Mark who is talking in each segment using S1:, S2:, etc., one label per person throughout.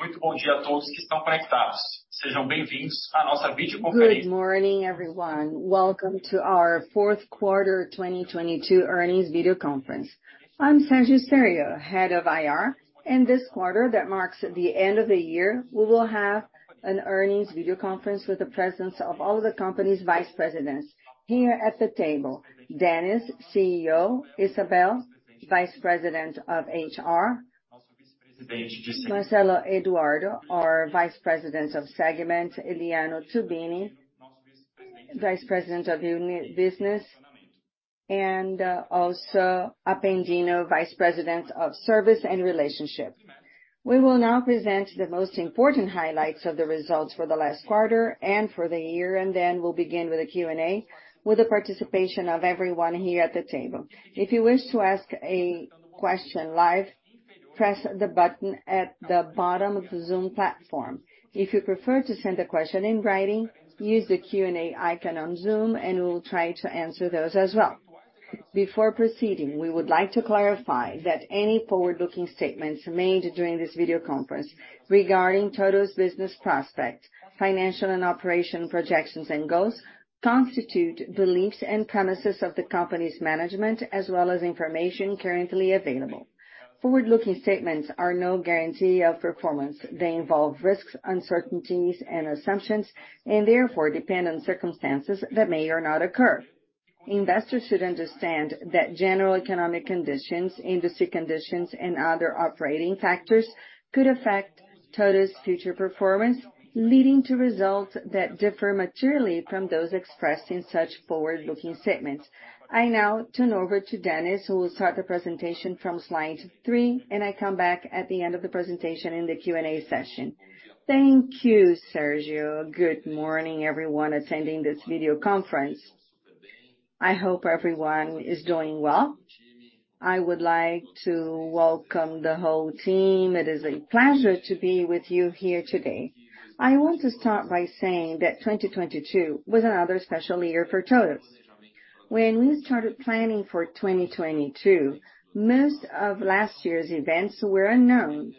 S1: Muito bom dia a todos que estão conectados. Sejam bem-vindos à nossa videoconferência.
S2: Good morning, everyone. Welcome to our fourth quarter 2022 earnings video conference. I'm Sérgio Sério, Head of IR. In this quarter that marks the end of the year, we will have an earnings video conference with the presence of all the company's vice presidents. Here at the table, Dennis, CEO, Izabel, Vice President of HR, Marcelo Eduardo, our Vice President of Segments, Juliano Tubino, Vice President of Unit Business, and also Apendino, Vice President of Service and Relationship. We will now present the most important highlights of the results for the last quarter and for the year. Then we'll begin with the Q&A with the participation of everyone here at the table. If you wish to ask a question live, press the button at the bottom of the Zoom platform. If you prefer to send a question in writing, use the Q&A icon on Zoom, and we will try to answer those as well. Before proceeding, we would like to clarify that any forward-looking statements made during this video conference regarding TOTVS business prospect, financial and operation projections and goals, constitute beliefs and premises of the company's management, as well as information currently available. Forward-looking statements are no guarantee of performance. They involve risks, uncertainties, and assumptions, and therefore, depend on circumstances that may or not occur. Investors should understand that general economic conditions, industry conditions, and other operating factors could affect TOTVS future performance, leading to results that differ materially from those expressed in such forward-looking statements. I now turn over to Dennis, who will start the presentation from slide three, and I come back at the end of the presentation in the Q&A session.
S3: Thank you, Sérgio. Good morning, everyone attending this video conference. I hope everyone is doing well. I would like to welcome the whole team. It is a pleasure to be with you here today. I want to start by saying that 2022 was another special year for TOTVS. When we started planning for 2022, most of last year's events were unknown.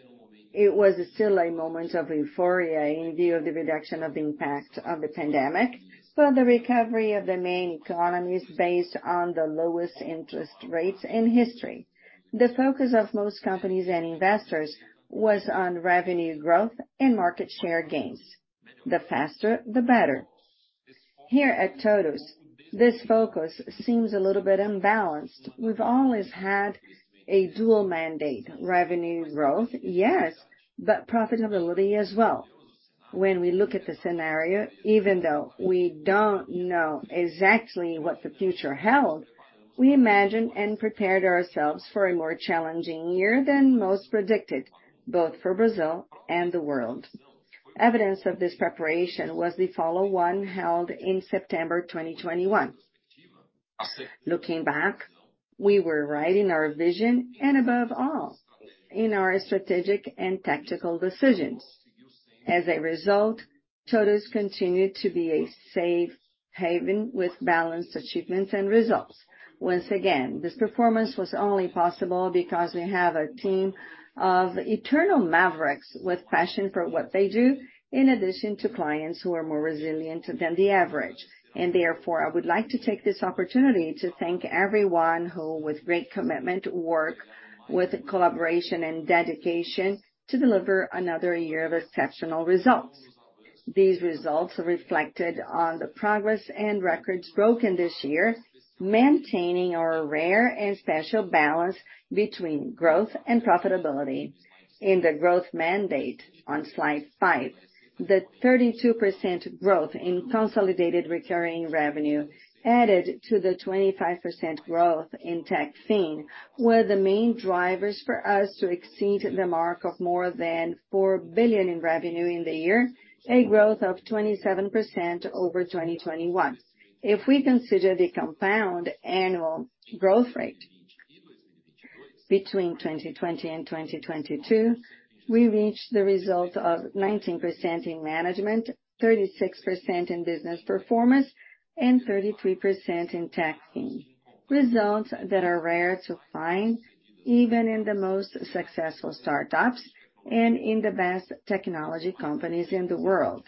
S3: It was still a moment of euphoria in view of the reduction of the impact of the pandemic, but the recovery of the main economy is based on the lowest interest rates in history. The focus of most companies and investors was on revenue growth and market share gains. The faster, the better. Here at TOTVS, this focus seems a little bit unbalanced. We've always had a dual mandate. Revenue growth, yes, but profitability as well. When we look at the scenario, even though we don't know exactly what the future held, we imagined and prepared ourselves for a more challenging year than most predicted, both for Brazil and the world. Evidence of this preparation was the follow one held in September 2021. Looking back, we were right in our vision and above all, in our strategic and tactical decisions. As a result, TOTVS continued to be a safe haven with balanced achievements and results. Once again, this performance was only possible because we have a team of eternal mavericks with passion for what they do, in addition to clients who are more resilient than the average. Therefore, I would like to take this opportunity to thank everyone who with great commitment work with collaboration and dedication to deliver another year of exceptional results. These results are reflected on the progress and records broken this year, maintaining our rare and special balance between growth and profitability. In the growth mandate on slide 5, the 32% growth in consolidated recurring revenue added to the 25% growth in TECHFIN were the main drivers for us to exceed the mark of more than 4 billion in revenue in the year, a growth of 27% over 2021. If we consider the compound annual growth rate between 2020 and 2022, we reach the result of 19% in management, 36% in business performance, and 33% in TECHFIN. Results that are rare to find even in the most successful startups and in the best technology companies in the world.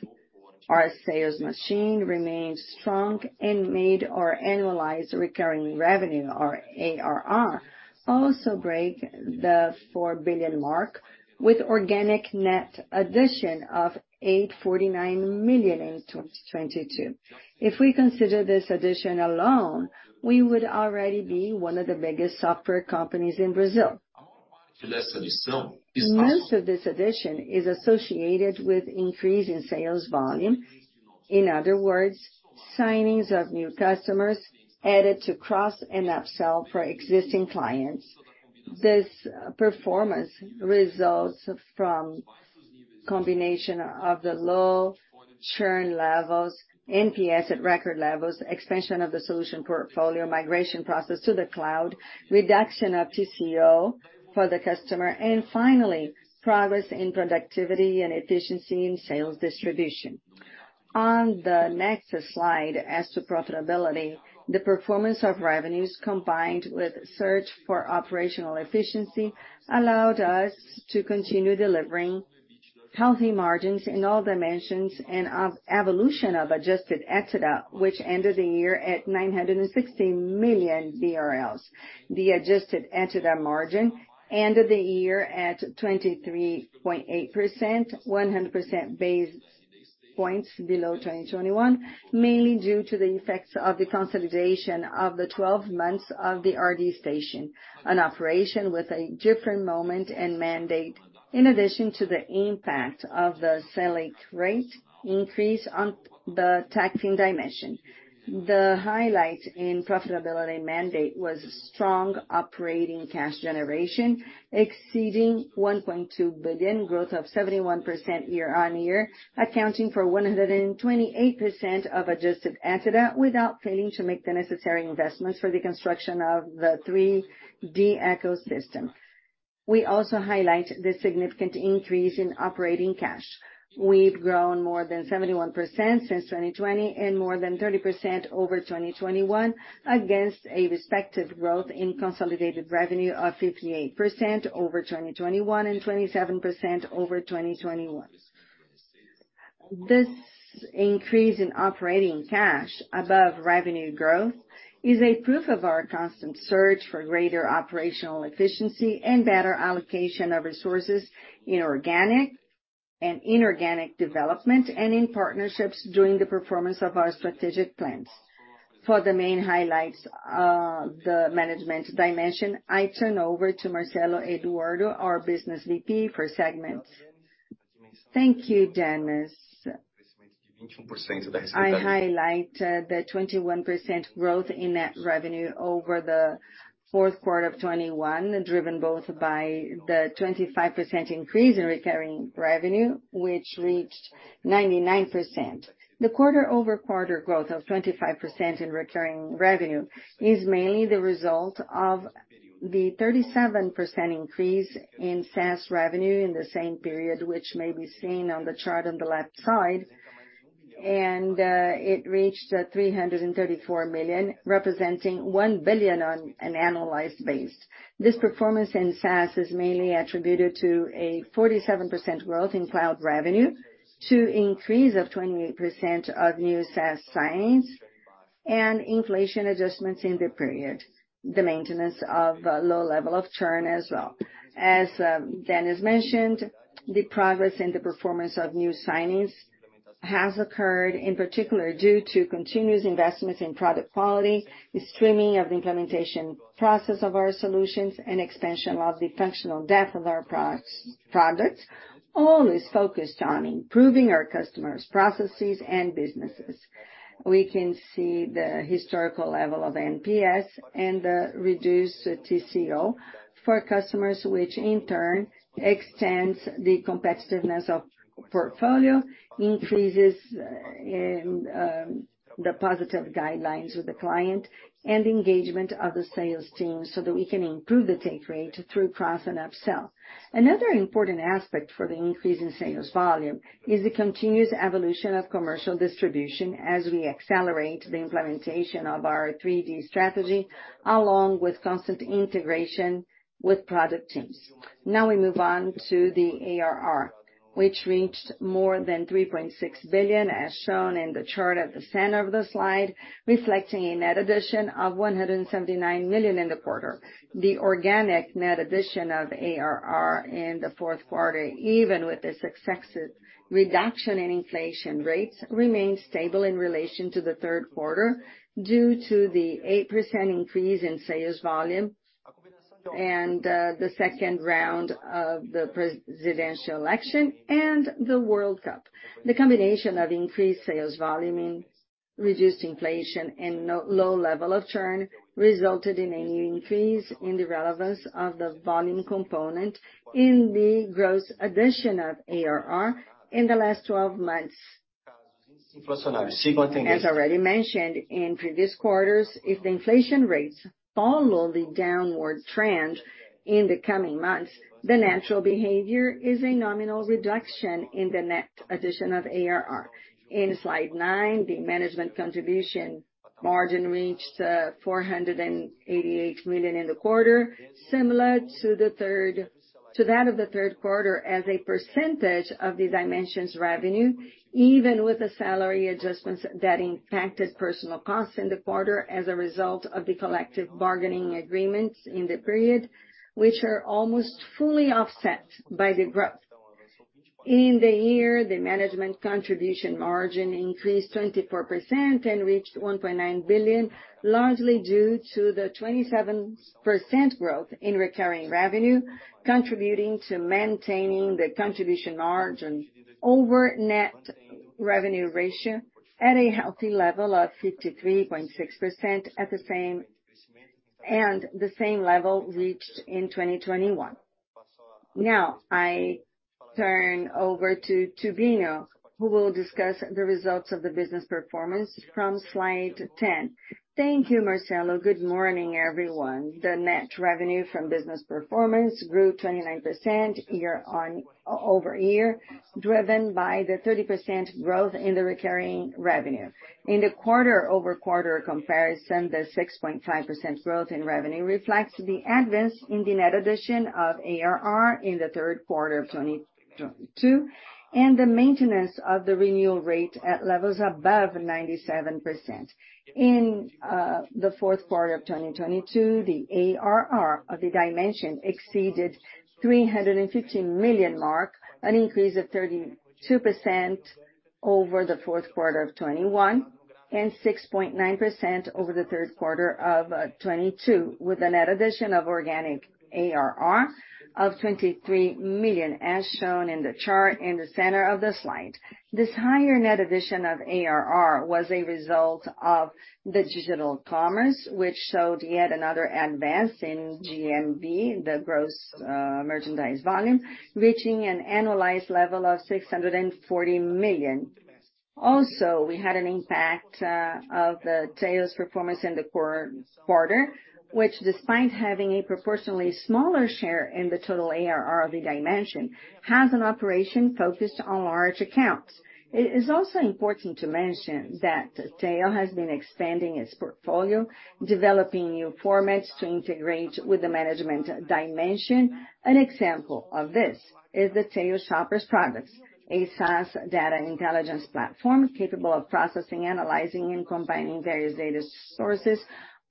S3: Our sales machine remained strong and made our annualized recurring revenue or ARR also break the 4 billion mark with organic net addition of 849 million in 2022. If we consider this addition alone, we would already be one of the biggest software companies in Brazil. Most of this addition is associated with increase in sales volume. In other words, signings of new customers added to cross and upsell for existing clients. This performance results from combination of the low churn levels, NPS at record levels, expansion of the solution portfolio, migration process to the cloud, reduction of TCO for the customer, and finally, progress in productivity and efficiency in sales distribution. On the next slide, as to profitability, the performance of revenues combined with search for operational efficiency allowed us to continue delivering healthy margins in all dimensions and of evolution of adjusted EBITDA, which ended the year at 960 million BRL. The adjusted EBITDA margin ended the year at 23.8%, 100 basis points below 2021, mainly due to the effects of the consolidation of the 12 months of the RD Station, an operation with a different moment and mandate. In addition to the impact of the Selic rate increase on the TECHFIN dimension. The highlight in profitability mandate was strong operating cash generation exceeding 1.2 billion growth of 71% year-on-year, accounting for 128% of adjusted EBITDA without failing to make the necessary investments for the construction of the 3D ecosystem. We also highlight the significant increase in operating cash. We've grown more than 71% since 2020 and more than 30% over 2021, against a respective growth in consolidated revenue of 58% over 2021 and 27% over 2021. This increase in operating cash above revenue growth is a proof of our constant search for greater operational efficiency and better allocation of resources in organic and inorganic development and in partnerships during the performance of our strategic plans. For the main highlights of the management dimension, I turn over to Marcelo Eduardo, our business VP for segments.
S4: Thank you, Dennis. I highlight the 21% growth in net revenue over the fourth quarter of 2021, driven both by the 25% increase in recurring revenue, which reached 99%. The quarter-over-quarter growth of 25% in recurring revenue is mainly the result of the 37% increase in SaaS revenue in the same period, which may be seen on the chart on the left side, it reached 334 million, representing 1 billion on an analyzed based. This performance in SaaS is mainly attributed to a 47% growth in cloud revenue to increase of 28% of new SaaS signings and inflation adjustments in the period, the maintenance of a low level of churn as well. As Dennis mentioned, the progress in the performance of new signings has occurred, in particular due to continuous investments in product quality, the streaming of the implementation process of our solutions, and expansion of the functional depth of our products. All is focused on improving our customers processes and businesses. We can see the historical level of NPS and the reduced TCO for customers which in turn extends the competitiveness of portfolio, increases in the positive guidelines with the client and engagement of the sales team so that we can improve the take rate through cross and upsell. Another important aspect for the increase in sales volume is the continuous evolution of commercial distribution as we accelerate the implementation of our 3D strategy along with constant integration with product teams. We move on to the ARR, which reached more than 3.6 billion, as shown in the chart at the center of the slide, reflecting a net addition of 179 million in the quarter. The organic net addition of ARR in the 4th quarter, even with the successive reduction in inflation rates, remained stable in relation to the 3rd quarter due to the 8% increase in sales volume and the second round of the presidential election and the World Cup. The combination of increased sales volume in reduced inflation and low level of churn resulted in a increase in the relevance of the volume component in the gross addition of ARR in the last 12 months. As already mentioned in previous quarters, if the inflation rates follow the downward trend in the coming months, the natural behavior is a nominal reduction in the net addition of ARR. In slide 9, the management contribution margin reached, 488 million in the quarter, similar to that of the third quarter as a percentage of the dimensions revenue, even with the salary adjustments that impacted personal costs in the quarter as a result of the collective bargaining agreements in the period, which are almost fully offset by the growth. In the year, the management contribution margin increased 24% and reached 1.9 billion, largely due to the 27% growth in recurring revenue, contributing to maintaining the contribution margin over net revenue ratio at a healthy level of 53.6% and the same level reached in 2021. Now I turn over to Tubino, who will discuss the results of the business performance from slide 10.
S5: Thank you, Marcelo. Good morning, everyone. The net revenue from business performance grew 29% year-over-year, driven by the 30% growth in the recurring revenue. The quarter-over-quarter comparison, the 6.5% growth in revenue reflects the advance in the net addition of ARR in the third quarter of 2022, and the maintenance of the renewal rate at levels above 97%. The fourth quarter of 2022, the ARR of the dimension exceeded 350 million mark, an increase of 32% over the fourth quarter of 2021, and 6.9% over the third quarter of 2022, with a net addition of organic ARR of 23 million, as shown in the chart in the center of the slide. This higher net addition of ARR was a result of the digital commerce, which showed yet another advance in GMV, the Gross Merchandise Volume, reaching an annualized level of 640 million. We had an impact of the Tail's performance in the quarter, which despite having a proportionally smaller share in the total ARR of the dimension, has an operation focused on large accounts. It is also important to mention that Tail has been expanding its portfolio, developing new formats to integrate with the management dimension. An example of this is the Tail Shoppers products, a SaaS data and intelligence platform capable of processing, analyzing and combining various data sources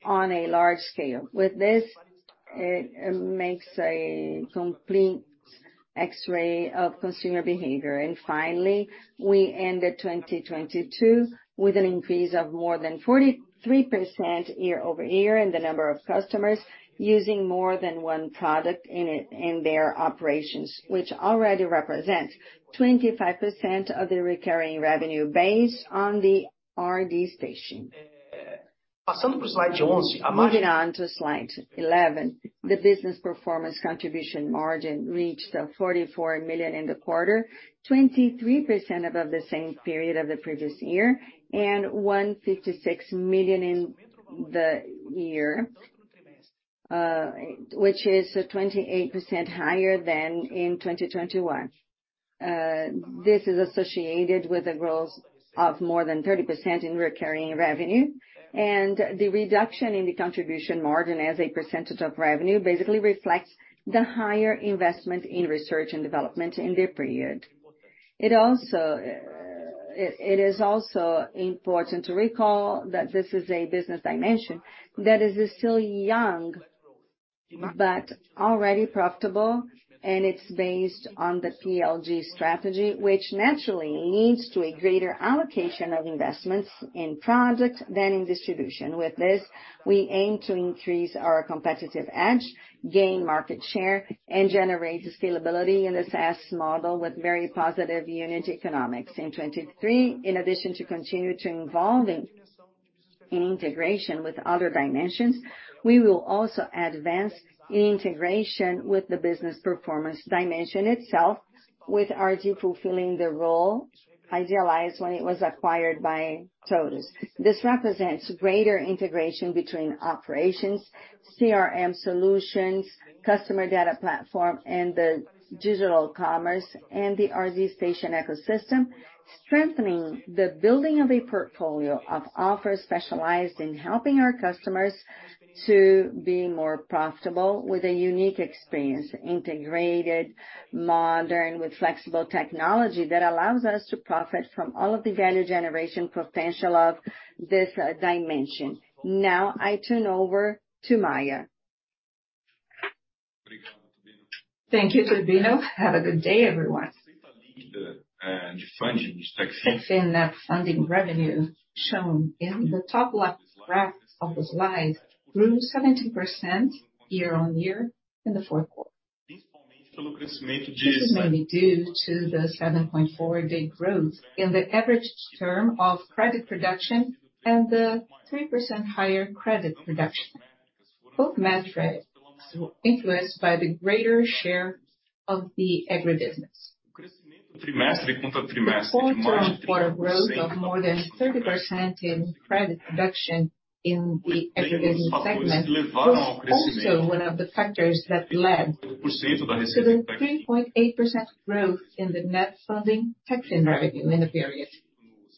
S5: on a large scale. With this, it makes a complete X-ray of consumer behavior. Finally, we ended 2022 with an increase of more than 43% year-over-year in the number of customers using more than one product in their operations, which already represents 25% of the recurring revenue base on the RD Station. Moving on to slide 11. The business performance contribution margin reached 44 million in the quarter, 23% above the same period of the previous year, and 156 million in the year, which is 28% higher than in 2021. This is associated with a growth of more than 30% in recurring revenue, and the reduction in the contribution margin as a percentage of revenue basically reflects the higher investment in research and development in the period. It is also important to recall that this is a business dimension that is still young but already profitable, and it's based on the PLG strategy, which naturally leads to a greater allocation of investments in product than in distribution. With this, we aim to increase our competitive edge, gain market share, and generate scalability in the SaaS model with very positive unit economics. In 2023, in addition to continue to involving in integration with other dimensions, we will also advance in integration with the business performance dimension itself, with RD Station fulfilling the role idealized when it was acquired by TOTVS. This represents greater integration between operations, CRM solutions, customer data platform, and the digital commerce, and the RD Station ecosystem, strengthening the building of a portfolio of offers specialized in helping our customers to be more profitable with a unique experience, integrated, modern, with flexible technology that allows us to profit from all of the value generation potential of this dimension. Now I turn over to Maia.
S6: Thank you, Tubino. Have a good day, everyone. TECHFIN net funding revenue shown in the top left graph of the slide grew 17% year-on-year in the fourth quarter. This is mainly due to the 7.4 day growth in the average term of credit production and the 3% higher credit production. Both metrics were influenced by the greater share of the agribusiness. The quarter-on-quarter growth of more than 30% in credit production in the agribusiness segment was also one of the factors that led to the 3.8% growth in the net funding TECHFIN revenue in the period.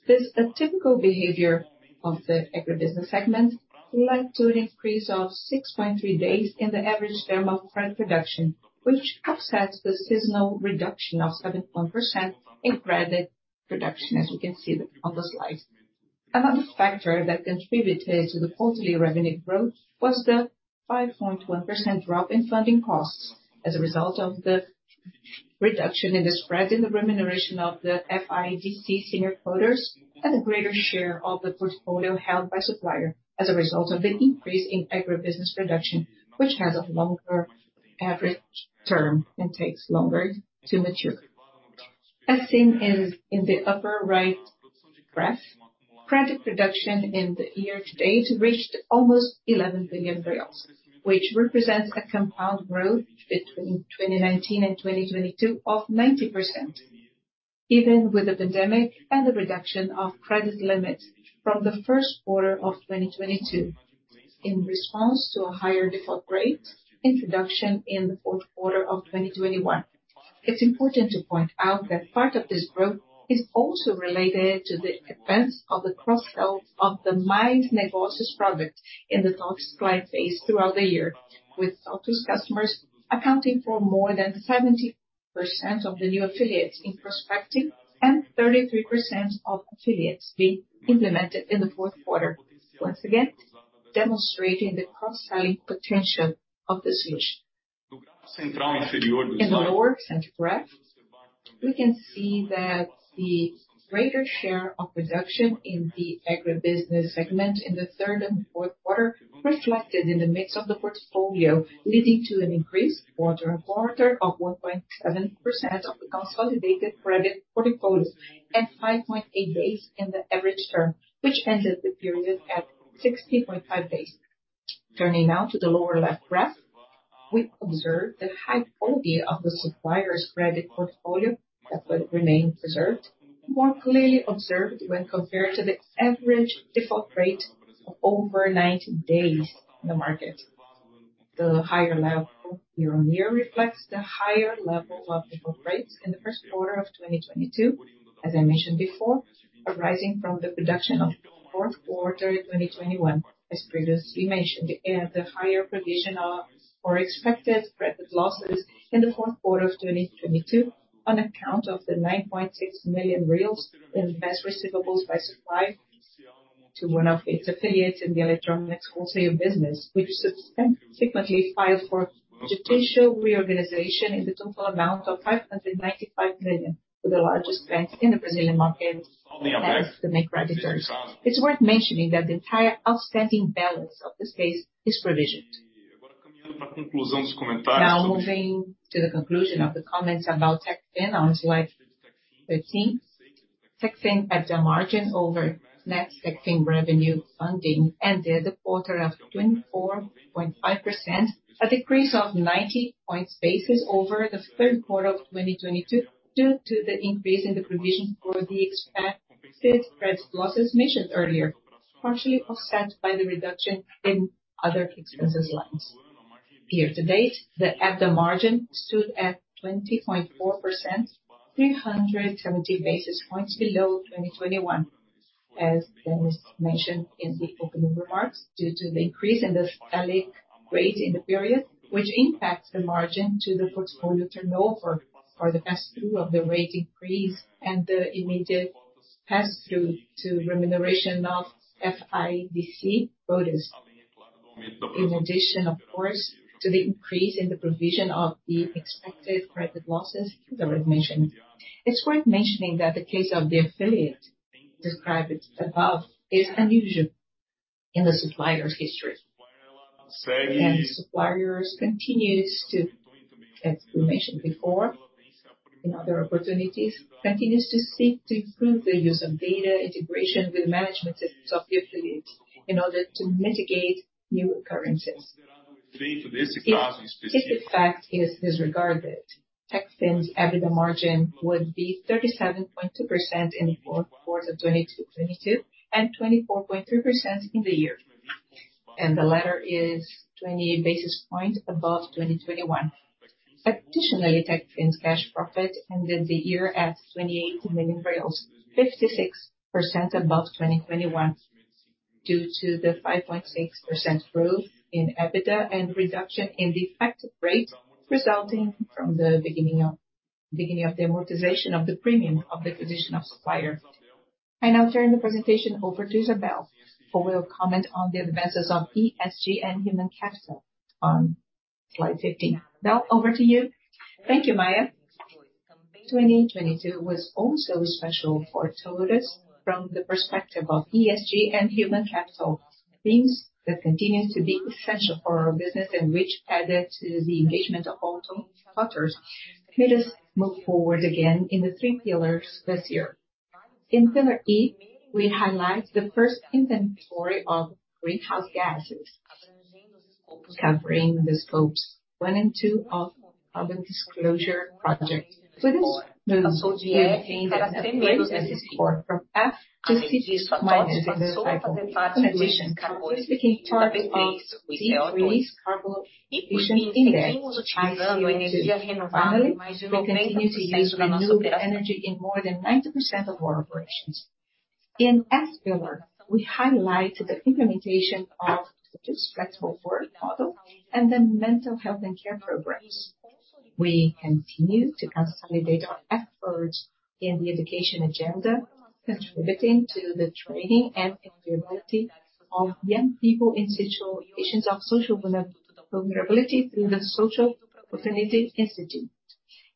S6: This atypical behavior of the agribusiness segment led to an increase of 6.3 days in the average term of credit production, which offsets the seasonal reduction of 7% in credit production, as you can see on the slide. Another factor that contributed to the quarterly revenue growth was the 5.1% drop in funding costs as a result of the reduction in the spread in the remuneration of the FIDC senior quotas and a greater share of the portfolio held by Supplier as a result of the increase in agribusiness production, which has a longer average term and takes longer to mature. As seen in the upper right graph, credit reduction in the year to date reached almost BRL 11 billion, which represents a compound growth between 2019 and 2022 of 90%, even with the pandemic and the reduction of credit limit from the first quarter of 2022 in response to a higher default rate introduction in the fourth quarter of 2021. It's important to point out that part of this growth is also related to the advance of the cross-sell of the My Negócios product in the TOTVS client base throughout the year, with TOTVS customers accounting for more than 70% of the new affiliates in prospecting and 33% of affiliates being implemented in the fourth quarter. Once again, demonstrating the cross-selling potential of the solution. In the lower center graph, we can see that the greater share of reduction in the agribusiness segment in the third and fourth quarter reflected in the mix of the portfolio, leading to an increased quarter-on-quarter of 1.7% of the consolidated credit portfolios and 5.8 days in the average term, which ended the period at 60.5 days. Turning now to the lower left graph, we observe the high quality of the Supplier's credit portfolio that will remain preserved, more clearly observed when compared to the average default rate of over 90 days in the market. The higher level year-over-year reflects the higher level of default rates in the first quarter of 2022, as I mentioned before, arising from the reduction of fourth quarter 2021, as previously mentioned, and the higher provision of or expected credit losses in the fourth quarter of 2022 on account of the 9.6 million reais in best receivables by Supplier to one of its affiliates in the electronics wholesale business, which subsequently filed for judicial reorganization in the total amount of 595 million with the largest bank in the Brazilian market and other main creditors. It's worth mentioning that the entire outstanding balance of the space is provisioned. Moving to the conclusion of the comments about TechFin on slide 13. TechFin EBITDA margin over net TechFin revenue funding ended the quarter of 24.5%, a decrease of 90 point basis over the third quarter of 2022 due to the increase in the provision for the expected credit losses mentioned earlier, partially offset by the reduction in other expenses lines. Year to date, the EBITDA margin stood at 20.4%, 370 basis points below 2021, as was mentioned in the opening remarks, due to the increase in the Selic rate in the period, which impacts the margin to the portfolio turnover or the pass-through of the rate increase and the immediate pass-through to remuneration of FIDC products. In addition, of course, to the increase in the provision of the expected credit losses that was mentioned. It's worth mentioning that the case of the affiliate described above is unusual in the Supplier's history. Supplier continues to, as we mentioned before in other opportunities, seek to improve the use of data integration with management systems of the affiliate in order to mitigate new occurrences. If this fact is disregarded, TECHFIN's EBITDA margin would be 37.2% in fourth quarter 2022 and 24.3% in the year. The latter is 20 basis points above 2021. TECHFIN's cash profit ended the year at 28 million, 56% above 2021, due to the 5.6% growth in EBITDA and reduction in the effective rate resulting from the beginning of the amortization of the premium of the position of Supplier. I now turn the presentation over to Izabel, who will comment on the advances of ESG and human capital on slide 15. Bel, over to you.
S7: Thank you, Maia. 2022 was also special for TOTVS from the perspective of ESG and human capital. Things that continues to be essential for our business and which added to the engagement of all TOTVS partners made us move forward again in the three pillars this year. In pillar E, we highlight the first inventory of greenhouse gases, covering the scopes 1 and 2 of public disclosure projects. With this, the associated aim is a great support from F to CTs minus in the cycle. In addition, we use the key target base with zero release carbon emission index, ICU and two. Finally, we continue to use renewable energy in more than 90% of our operations. In S pillar, we highlight the implementation of TOTVS flexible work model and the mental health and care programs. We continue to consolidate our efforts in the education agenda, contributing to the training and employability of young people in situations of social vulnerability through the Instituto da Oportunidade Social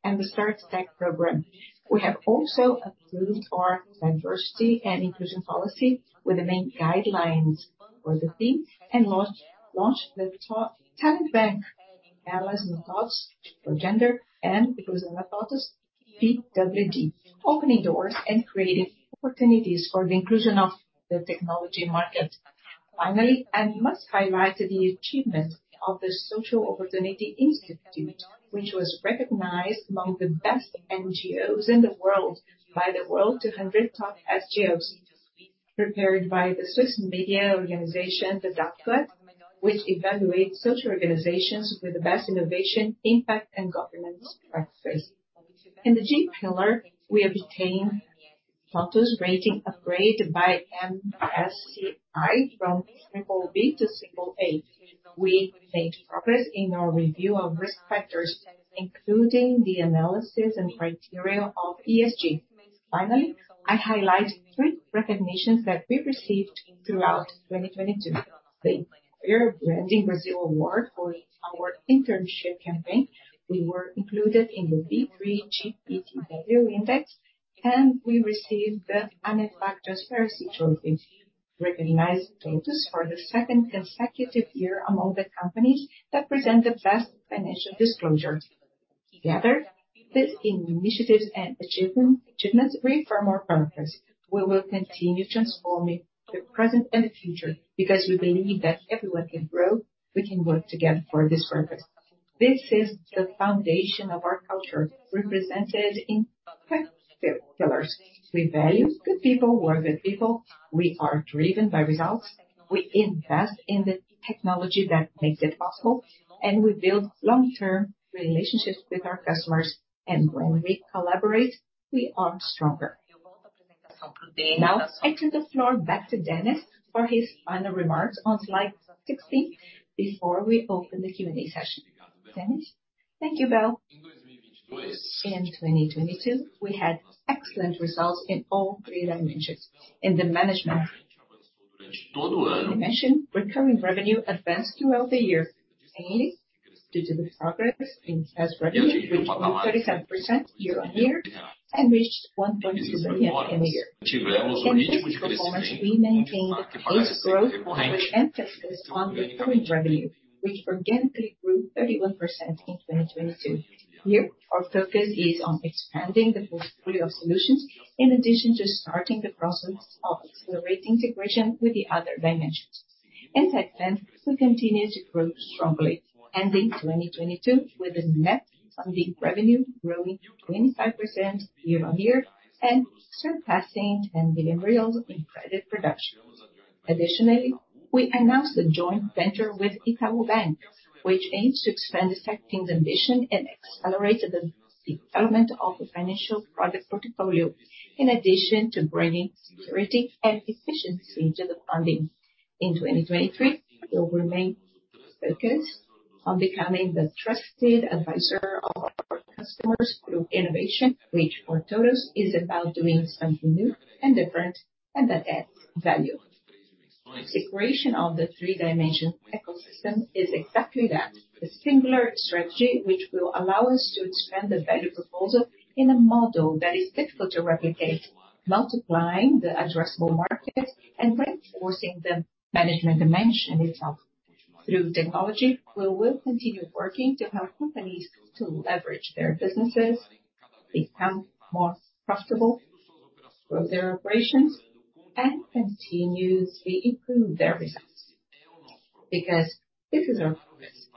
S7: and the Start Stack program. We have also approved our diversity and inclusion policy with the main guidelines for the team, and launched the talent bank, analyzing posts for gender and inclusive methods PWD, opening doors and creating opportunities for the inclusion of the technology market. Finally, I must highlight the achievement of the Instituto da Oportunidade Social, which was recognized among the best NGOs in the world by the World 200 Top NGOs, prepared by the Swiss media organization, thedotgood, which evaluates social organizations with the best innovation, impact, and governance practices. In the G pillar, we obtained TOTVS rating upgrade by MSCI from triple B to single A. We made progress in our review of risk factors, including the analysis and criteria of ESG. Finally, I highlight three recognitions that we received throughout 2022. The Fair Branding Brazil Award for our internship campaign. We were included in the B3 GPTW Index. We received the ANEFAC Fair Situations, recognizing TOTVS for the second consecutive year among the companies that present the best financial disclosure. Together, these initiatives and achievements reaffirm our purpose. We will continue transforming the present and the future because we believe that everyone can grow. We can work together for this purpose. This is the foundation of our culture, represented in five pillars. We value good people. We are driven by results. We invest in the technology that makes it possible, we build long-term relationships with our customers. When we collaborate, we are stronger. Now I turn the floor back to Dennis for his final remarks on slide 60 before we open the Q&A session. Dennis?
S3: Thank you, Bel. In 2022, we had excellent results in all three dimensions. In the management dimension, recurring revenue advanced throughout the year. Due to the progress in SaaS revenue, which grew 37% year-over-year and reached 1.2 million in the year. For next performance, we maintain fast growth with emphasis on recurring revenue, which organically grew 31% in 2022. Here, our focus is on expanding the portfolio solutions in addition to starting the process of accelerating integration with the other dimensions. In TECHFIN, we continue to grow strongly, ending 2022 with a net funding revenue growing 25% year-over-year and surpassing 10 billion reais in credit production. We announced a joint venture with Itaú Bank, which aims to expand the tech team's ambition and accelerate the development of the financial product portfolio, in addition to bringing security and efficiency into the funding. In 2023, we'll remain focused on becoming the trusted advisor of our customers through innovation, which for TOTVS is about doing something new and different and that adds value. Integration of the 3D ecosystem is exactly that. A singular strategy which will allow us to expand the value proposal in a model that is difficult to replicate, multiplying the addressable market and reinforcing the management dimension itself. Through technology, we will continue working to help companies to leverage their businesses become more profitable, grow their operations, and continuously improve their results. Because this is our purpose,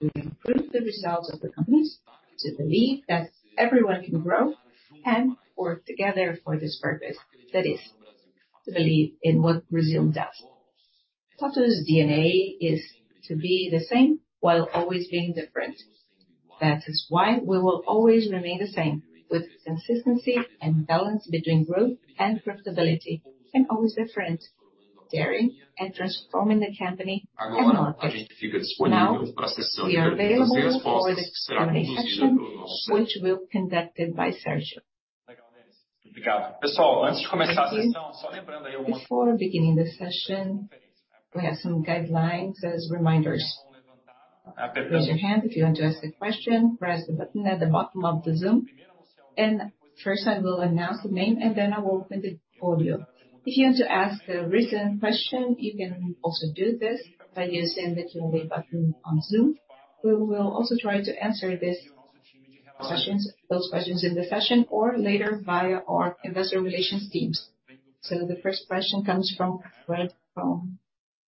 S3: to improve the results of the companies, to believe that everyone can grow and work together for this purpose. That is to believe in what Brazil does. TOTVS DNA is to be the same while always being different. That is why we will always remain the same, with consistency and balance between growth and profitability, and always different, daring and transforming the company and the market. Now we are available for the Q&A session which will be conducted by Sérgio. Thank you.
S2: Before beginning the session, we have some guidelines as reminders. Raise your hand if you want to ask a question. Press the button at the bottom of the Zoom. First I will announce the name, and then I will open the floor for you. If you want to ask a written question, you can also do this by using the Q&A button on Zoom. We will also try to answer those questions in the session or later via our investor relations teams. The first question comes from Fred Fong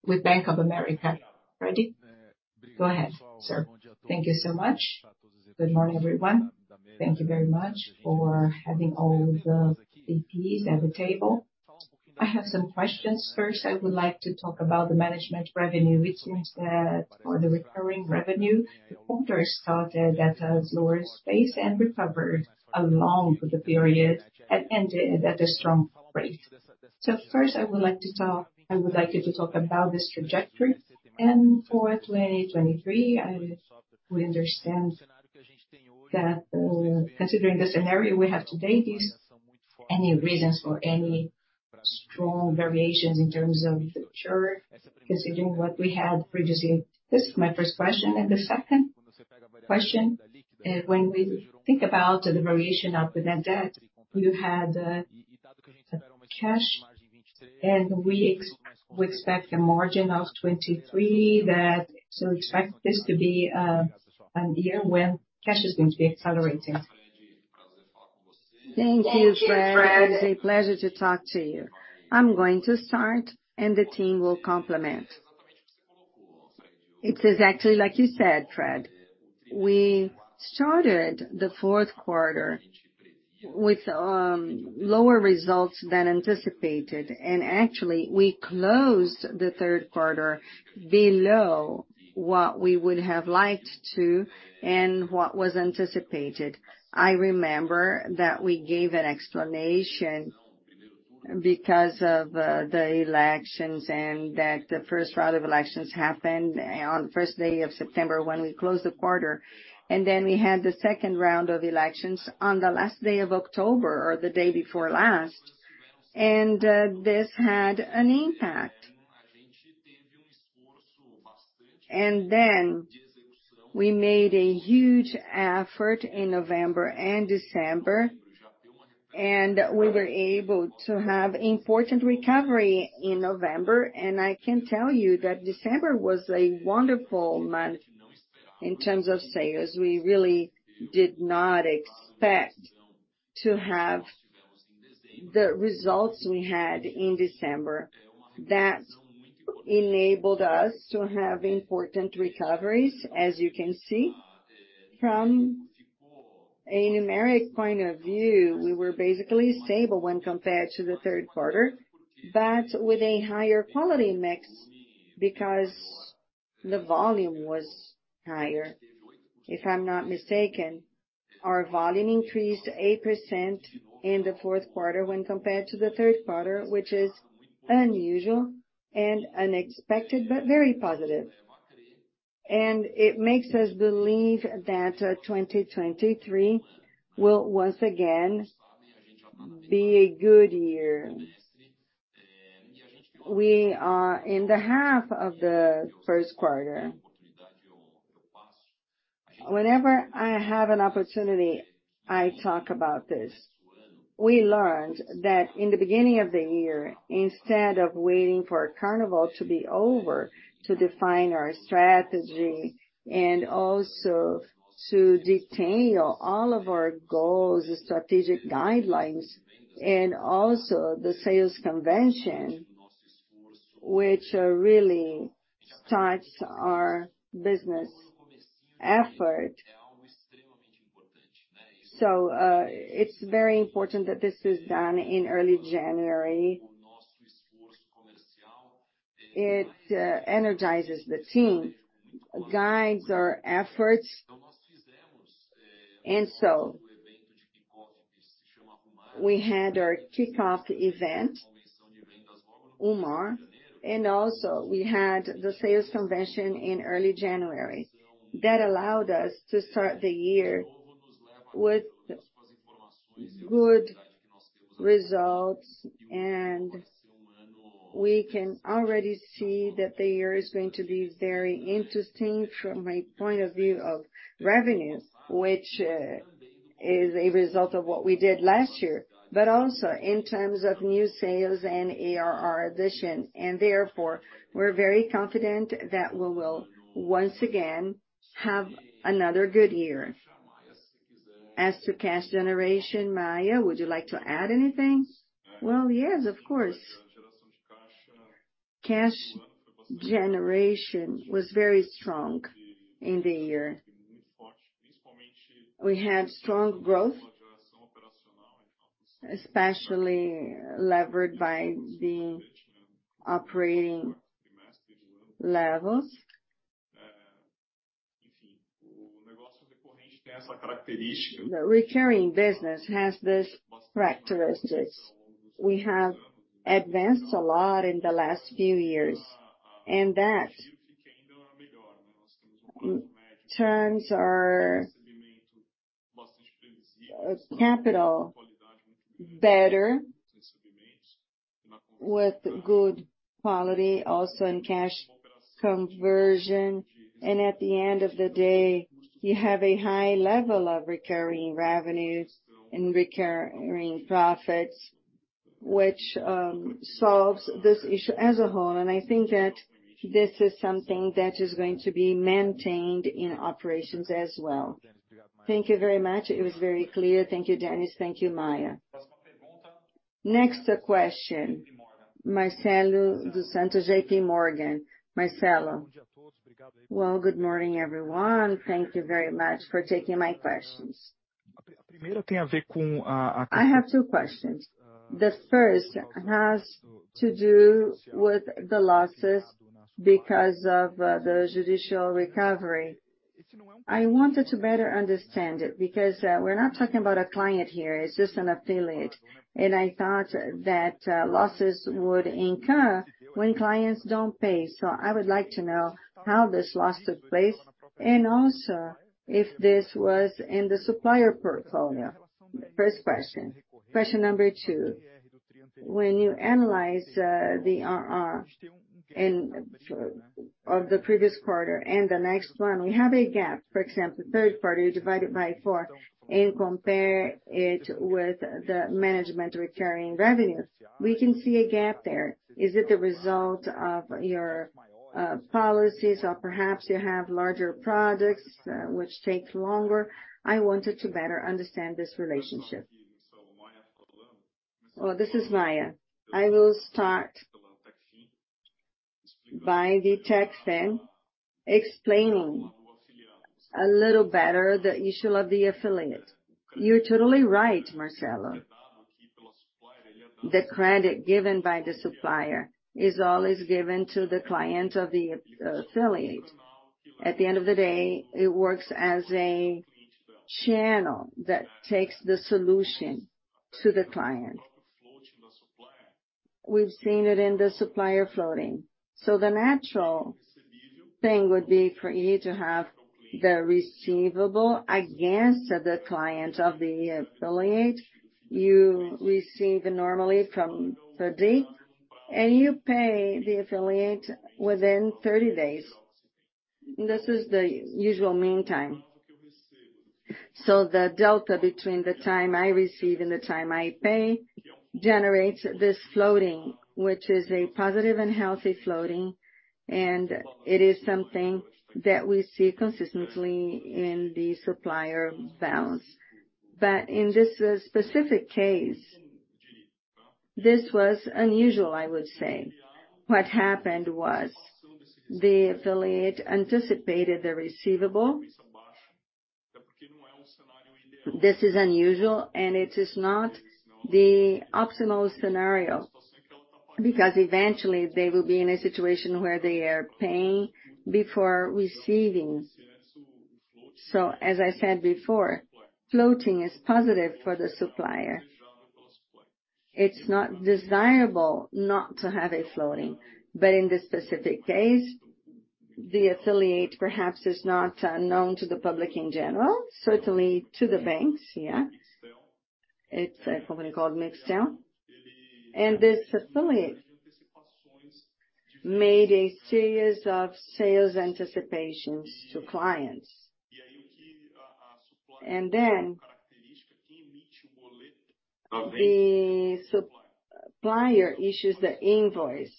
S2: with Bank of America. Ready? Go ahead, sir.
S8: Thank you so much. Good morning, everyone. Thank you very much for having all the VPs at the table. I have some questions. First, I would like to talk about the management revenue. It seems that for the recurring revenue, the owners started at a slower pace and recovered along with the period and ended at a strong rate. First I would like you to talk about this trajectory. For 2023, I would understand that, considering the scenario we have today, is any reasons for any strong variations in terms of the future considering what we had previously? This is my first question. The second question, when we think about the variation of the net debt, you had some cash and we expect a margin of 23%. Expect this to be an year when cash is going to be accelerating.
S3: Thank you, Fred. It was a pleasure to talk to you. I'm going to start, the team will complement. It's exactly like you said, Fred. We started the fourth quarter with lower results than anticipated, actually we closed the third quarter below what we would have liked to and what was anticipated. I remember that we gave an explanation because of the elections that the first round of elections happened on the first day of September when we closed the quarter. We had the second round of elections on the last day of October or the day before last. This had an impact. We made a huge effort in November and December, we were able to have important recovery in November. I can tell you that December was a wonderful month in terms of sales. We really did not expect to have the results we had in December. That enabled us to have important recoveries, as you can see. From a numeric point of view, we were basically stable when compared to the third quarter, but with a higher quality mix because the volume was higher. If I'm not mistaken, our volume increased 8% in the fourth quarter when compared to the third quarter, which is unusual and unexpected, but very positive. It makes us believe that 2023 will once again be a good year. We are in the half of the first quarter. Whenever I have an opportunity, I talk about this. We learned that in the beginning of the year, instead of waiting for Carnival to be over to define our strategy and also to detail all of our goals, strategic guidelines and also the sales convention, which really starts our business effort. It's very important that this is done in early January. It energizes the team, guides our efforts. We had our kickoff event, Umar, and also we had the sales convention in early January. That allowed us to start the year with good results. We can already see that the year is going to be very interesting from my point of view of revenue, which is a result of what we did last year, but also in terms of new sales and ARR addition. We're very confident that we will once again have another good year. As to cash generation, Maia, would you like to add anything?
S6: Yes, of course. Cash generation was very strong in the year. We have strong growth, especially levered by the operating levels. The recurring business has this characteristics. We have advanced a lot in the last few years, and that turns our capital better with good quality also in cash conversion. At the end of the day, you have a high level of recurring revenues and recurring profits, which solves this issue as a whole. I think that this is something that is going to be maintained in operations as well.
S8: Thank you very much. It was very clear. Thank you, Dennis. Thank you, Maia.
S2: Next question, Marcelo Santos, JP Morgan. Marcelo.
S9: Good morning, everyone. Thank you very much for taking my questions. I have two questions. The first has to do with the losses because of the judicial recovery. I wanted to better understand it because we're not talking about a client here, it's just an affiliate. I thought that losses would incur when clients don't pay. I would like to know how this loss took place, and also if this was in the Supplier portfolio. First question. Question number two. When you analyze the RR of the previous quarter and the next one, we have a gap. For example, third party, you divide it by four and compare it with the management recurring revenue. We can see a gap there. Is it the result of your policies, or perhaps you have larger products, which takes longer? I wanted to better understand this relationship.
S6: This is Maia. I will start by the TECHFIN, explaining a little better the issue of the affiliate. You're totally right, Marcelo. The credit given by the Supplier is always given to the client of the affiliate. At the end of the day, it works as a channel that takes the solution to the client. We've seen it in the Supplier floating. The natural thing would be for you to have the receivable against the client of the affiliate. You receive normally from FIDC, and you pay the affiliate within 30 days. This is the usual meantime. The delta between the time I receive and the time I pay generates this floating, which is a positive and healthy floating, and it is something that we see consistently in the Supplier balance. In this specific case, this was unusual, I would say. What happened was the affiliate anticipated the receivable. This is unusual, and it is not the optimal scenario, because eventually they will be in a situation where they are paying before receiving. As I said before, floating is positive for the supplier. It's not desirable not to have a floating. In this specific case, the affiliate perhaps is not known to the public in general, certainly to the banks, yeah. It's a company called Mixtel. This affiliate made a series of sales anticipations to clients. Then the supplier issues the invoice.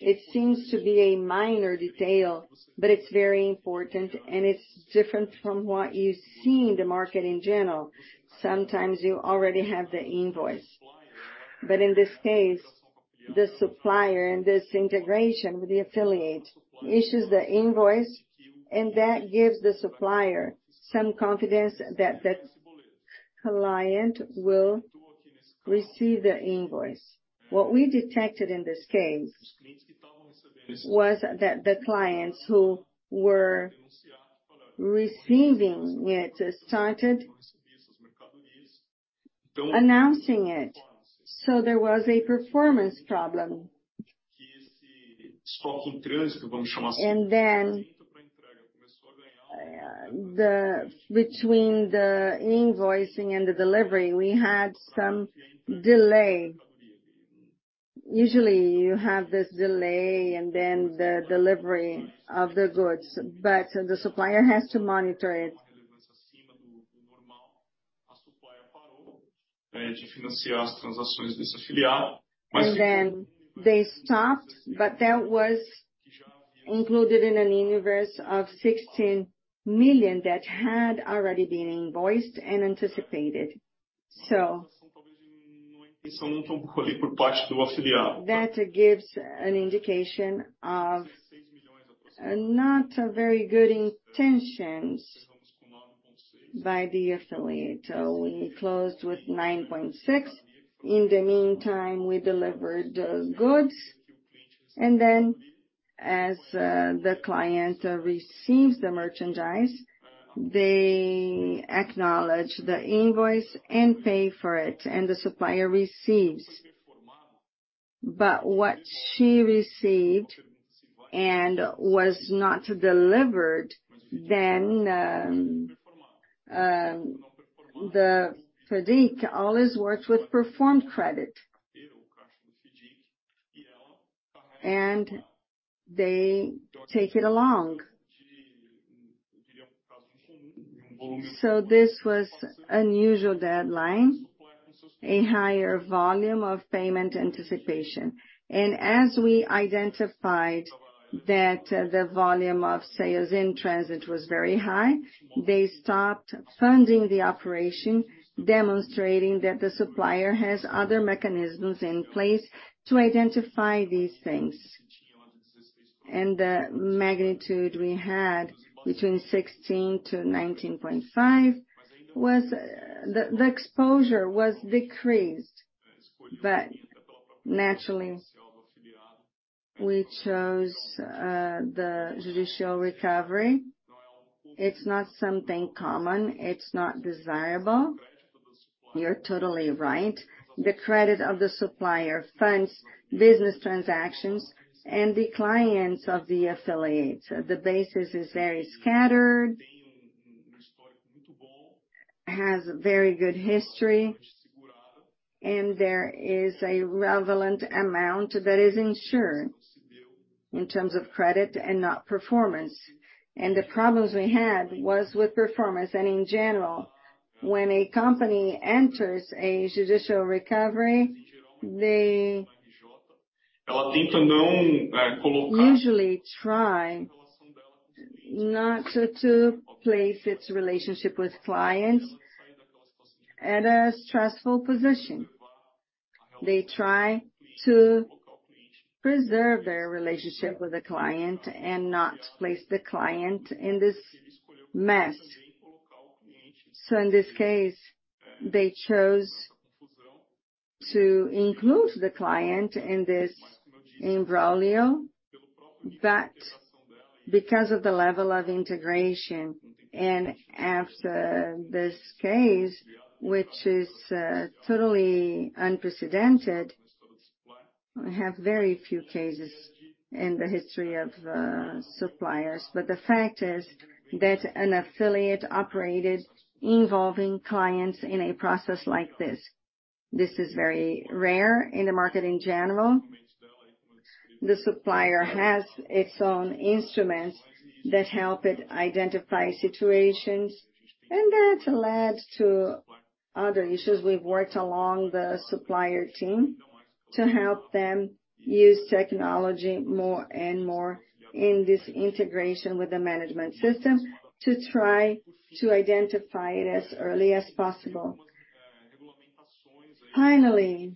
S6: It seems to be a minor detail, but it's very important, and it's different from what you see in the market in general. Sometimes you already have the invoice. In this case, the supplier and this integration with the affiliate issues the invoice, and that gives the supplier some confidence that that client will receive the invoice. What we detected in this case was that the clients who were receiving it started announcing it, so there was a performance problem. Between the invoicing and the delivery, we had some delay. Usually, you have this delay and then the delivery of the goods, but the supplier has to monitor it. They stopped, but that was included in a universe of 16 million that had already been invoiced and anticipated. That gives an indication of not very good intentions by the affiliate. We closed with 9.6. In the meantime, we delivered the goods. As the client receives the merchandise, they acknowledge the invoice and pay for it, and the supplier receives. What she received and was not delivered, the FIDC always works with performed credit. They take it along. This was unusual deadline, a higher volume of payment anticipation. As we identified that the volume of sales in transit was very high, they stopped funding the operation, demonstrating that the Supplier has other mechanisms in place to identify these things. The magnitude we had between 16 to 19.5 was. The exposure was decreased, but naturally, we chose the judicial recovery. It's not something common. It's not desirable. You're totally right. The credit of the Supplier funds business transactions and the clients of the affiliates. The basis is very scattered. Has a very good history, and there is a relevant amount that is insured in terms of credit and not performance. The problems we had was with performance. In general, when a company enters a judicial recovery, they usually try not to place its relationship with clients at a stressful position. They try to preserve their relationship with the client and not place the client in this mess. In this case, they chose to include the client in this imbroglio. Because of the level of integration and after this case, which is totally unprecedented, we have very few cases in the history of Supplier, but the fact is that an affiliate operated involving clients in a process like this. This is very rare in the market in general. The Supplier has its own instruments that help it identify situations, and that led to other issues. We've worked along the Supplier team to help them use technology more and more in this integration with the management system to try to identify it as early as possible. Finally,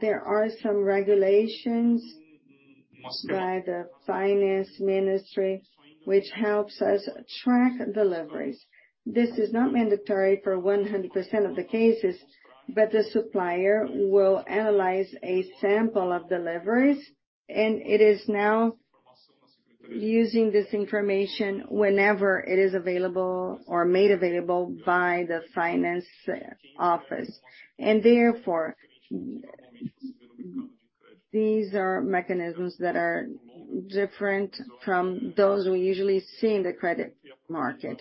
S6: there are some regulations by the finance ministry which helps us track deliveries. This is not mandatory for 100% of the cases, but the Supplier will analyze a sample of deliveries, and it is now using this information whenever it is available or made available by the finance office. Therefore, these are mechanisms that are different from those we usually see in the credit market.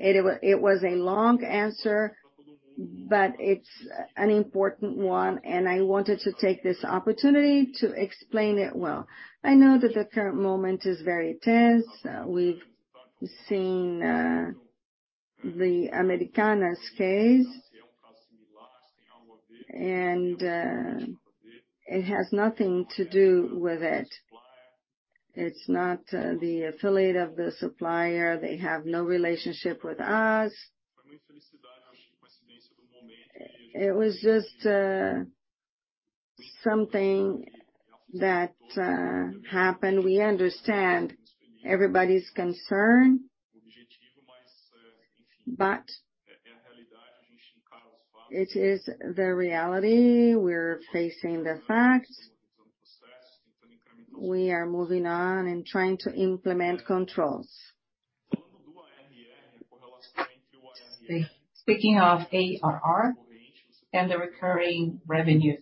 S6: It was a long answer, but it's an important one, and I wanted to take this opportunity to explain it well. I know that the current moment is very tense. We've seen the Americanas case. It has nothing to do with it. It's not the affiliate of the Supplier. They have no relationship with us. It was just something that happened. We understand everybody's concern, but it is the reality. We're facing the facts. We are moving on and trying to implement controls. Speaking of ARR and the recurring revenue,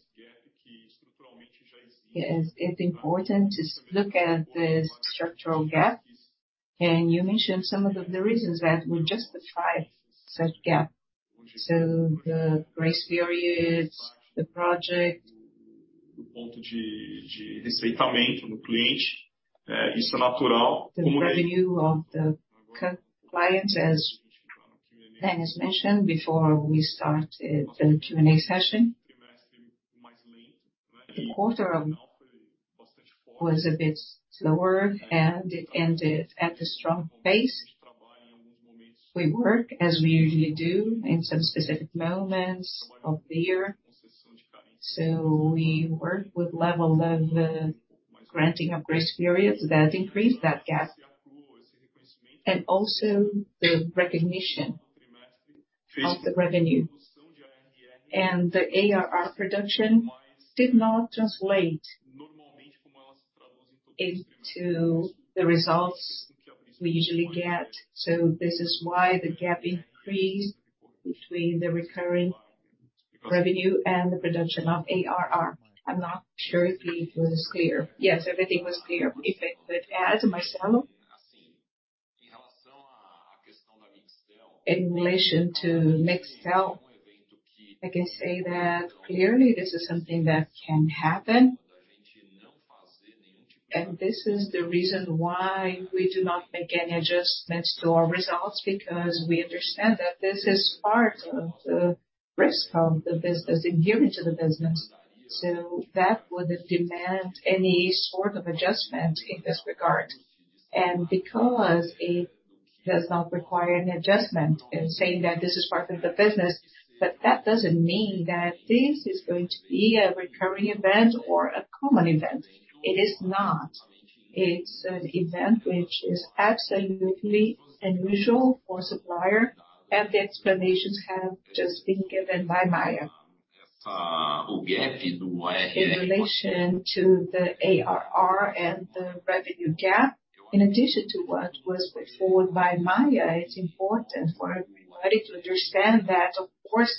S6: it's important to look at the structural gap. You mentioned some of the reasons that would justify said gap. The grace periods, the project. The revenue of the client, as Dennis has mentioned before we started the Q&A session. The quarter was a bit slower and it ended at a strong pace. We work as we usually do in some specific moments of the year. We work with level of granting of grace periods that increase that gap, and also the recognition of the revenue. The ARR production did not translate into the results we usually get, this is why the gap increased between the recurring revenue and the production of ARR. I'm not sure if it was clear.
S9: Yes, everything was clear.
S3: If I could add, Marcelo. In relation to Mixtel, I can say that clearly this is something that can happen. This is the reason why we do not make any adjustments to our results, because we understand that this is part of the risk of the business, inherent to the business. That wouldn't demand any sort of adjustment in this regard. Because it does not require any adjustment in saying that this is part of the business, but that doesn't mean that this is going to be a recurring event or a common event. It is not. It's an event which is absolutely unusual for Supplier, and the explanations have just been given by Maia. In relation to the ARR and the revenue gap, in addition to what was put forward by Maia, it's important for everybody to understand that, of course,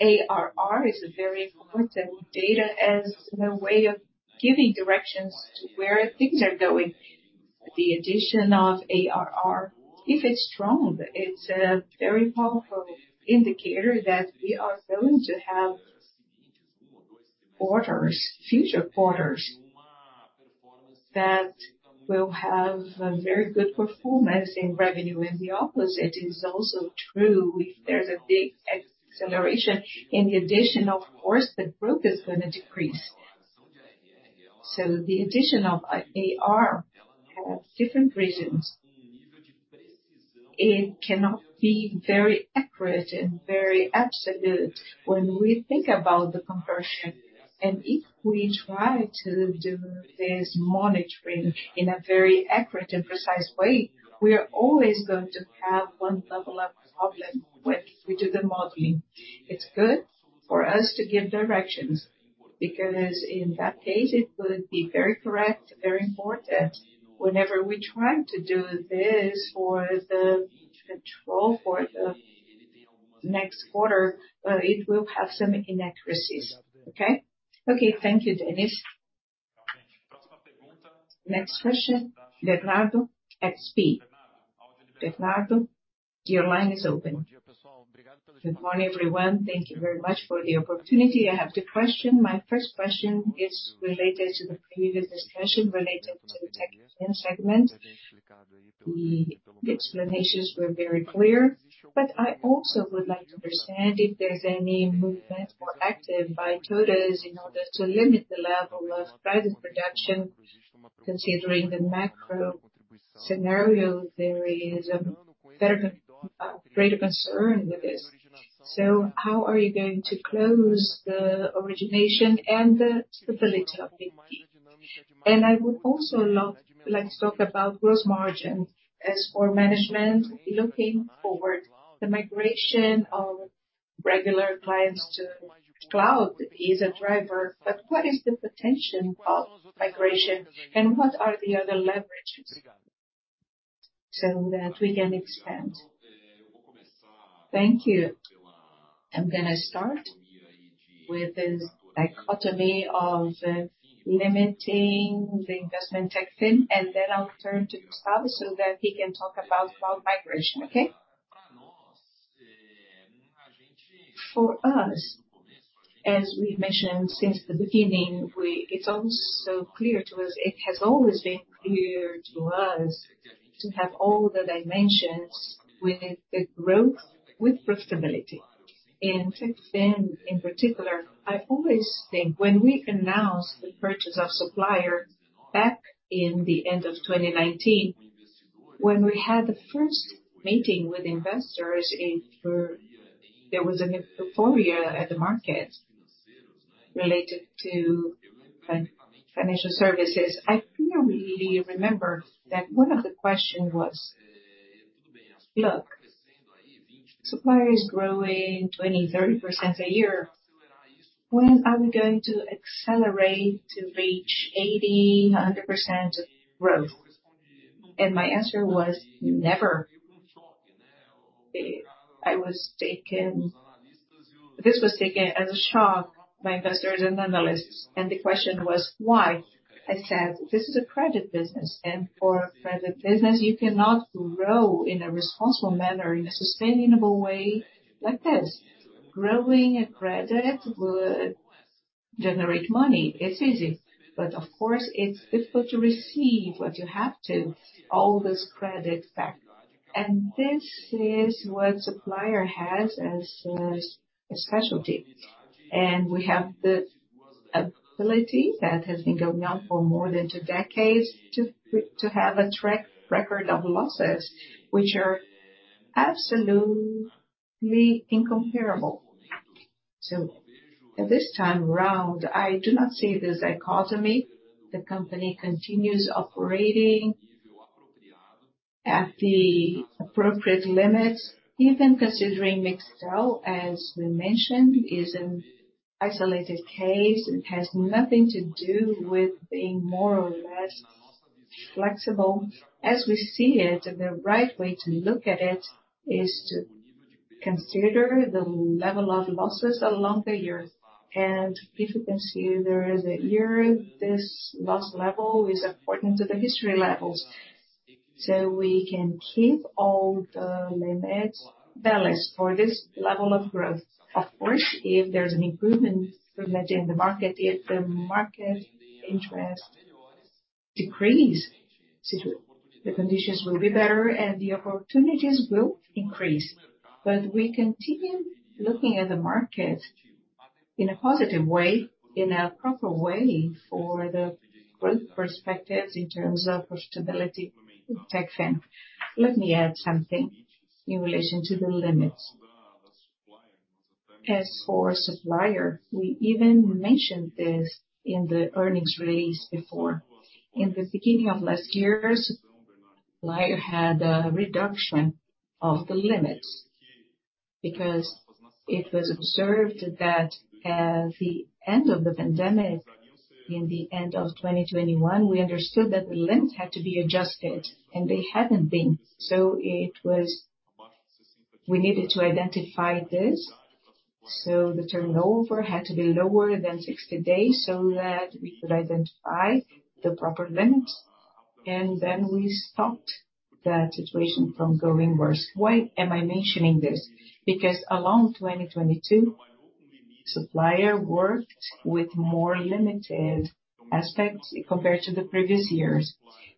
S3: ARR is a very important data as the way of giving directions to where things are going. The addition of ARR, if it's strong, it's a very powerful indicator that we are going to have quarters, future quarters that will have a very good performance in revenue. The opposite is also true. If there's a big acceleration in the addition, of course, the group is gonna decrease. So the addition of ARR have different reasons. It cannot be very accurate and very absolute when we think about the conversion. If we try to do this monitoring in a very accurate and precise way, we are always going to have one level of problem when we do the modeling. It's good for us to give directions, because in that case, it will be very correct, very important. Whenever we try to do this for the control for the next quarter, it will have some inaccuracies.
S9: Okay. Thank you, Dennis.
S2: Next question, Bernardo at XP. Bernardo, your line is open.
S10: Good morning, everyone. Thank you very much for the opportunity. I have two question. My first question is related to the previous discussion related to the Techfin segment. The explanations were very clear, but I also would like to understand if there's any movement or action by TOTVS in order to limit the level of credit reduction. Considering the macro scenario, there is, there are greater concern with this. How are you going to close the origination and the stability of Techfin? I would also like to talk about gross margins. As for management, looking forward, the migration of regular clients to cloud is a driver, what is the potential of migration, and what are the other leverages so that we can expand? Thank you.
S3: I'm gonna start with this dichotomy of limiting the investment Techfin, then I'll turn to Gustavo so that he can talk about cloud migration. Okay? For us, as we mentioned since the beginning, It's also clear to us, it has always been clear to us to have all the dimensions with the growth, with profitability. In Techfin, in particular, I always think when we announced the purchase of Supplier back in the end of 2019, when we had the first meeting with investors There was an euphoria at the market related to financial services. I clearly remember that one of the question was, "Look, Supplier is growing 20%, 30% a year. When are we going to accelerate to reach 80%, 100% growth?" My answer was, "Never." This was taken as a shock by investors and analysts, the question was, "Why?" I said, "This is a credit business, for credit business, you cannot grow in a responsible manner, in a sustainable way like this." Growing a credit would generate money. It's easy. Of course it's difficult to receive what you have to all this credit back. This is what Supplier has as a specialty. We have the ability that has been going on for more than two decades to have a track record of losses, which are absolutely incomparable. At this time round, I do not see this dichotomy. The company continues operating at the appropriate limits, even considering Mixtel, as we mentioned, is an isolated case. It has nothing to do with being more or less flexible. As we see it, the right way to look at it is to consider the level of losses along the years. If you can see there is a year, this loss level is according to the history levels. We can keep all the limits balanced for this level of growth. Of course, if there's an improvement from that in the market, if the market interest decrease, the conditions will be better and the opportunities will increase. We continue looking at the market in a positive way, in a proper way for the growth perspectives in terms of profitability with TECHFIN.
S11: Let me add something in relation to the limits. As for Supplier, we even mentioned this in the earnings release before. In the beginning of last year, Supplier had a reduction of the limits because it was observed that at the end of the pandemic, in the end of 2021, we understood that the limits had to be adjusted, and they hadn't been. We needed to identify this, the turnover had to be lower than 60 days so that we could identify the proper limits. We stopped that situation from going worse. Why am I mentioning this? Along 2022, Supplier worked with more limited aspects compared to the previous years.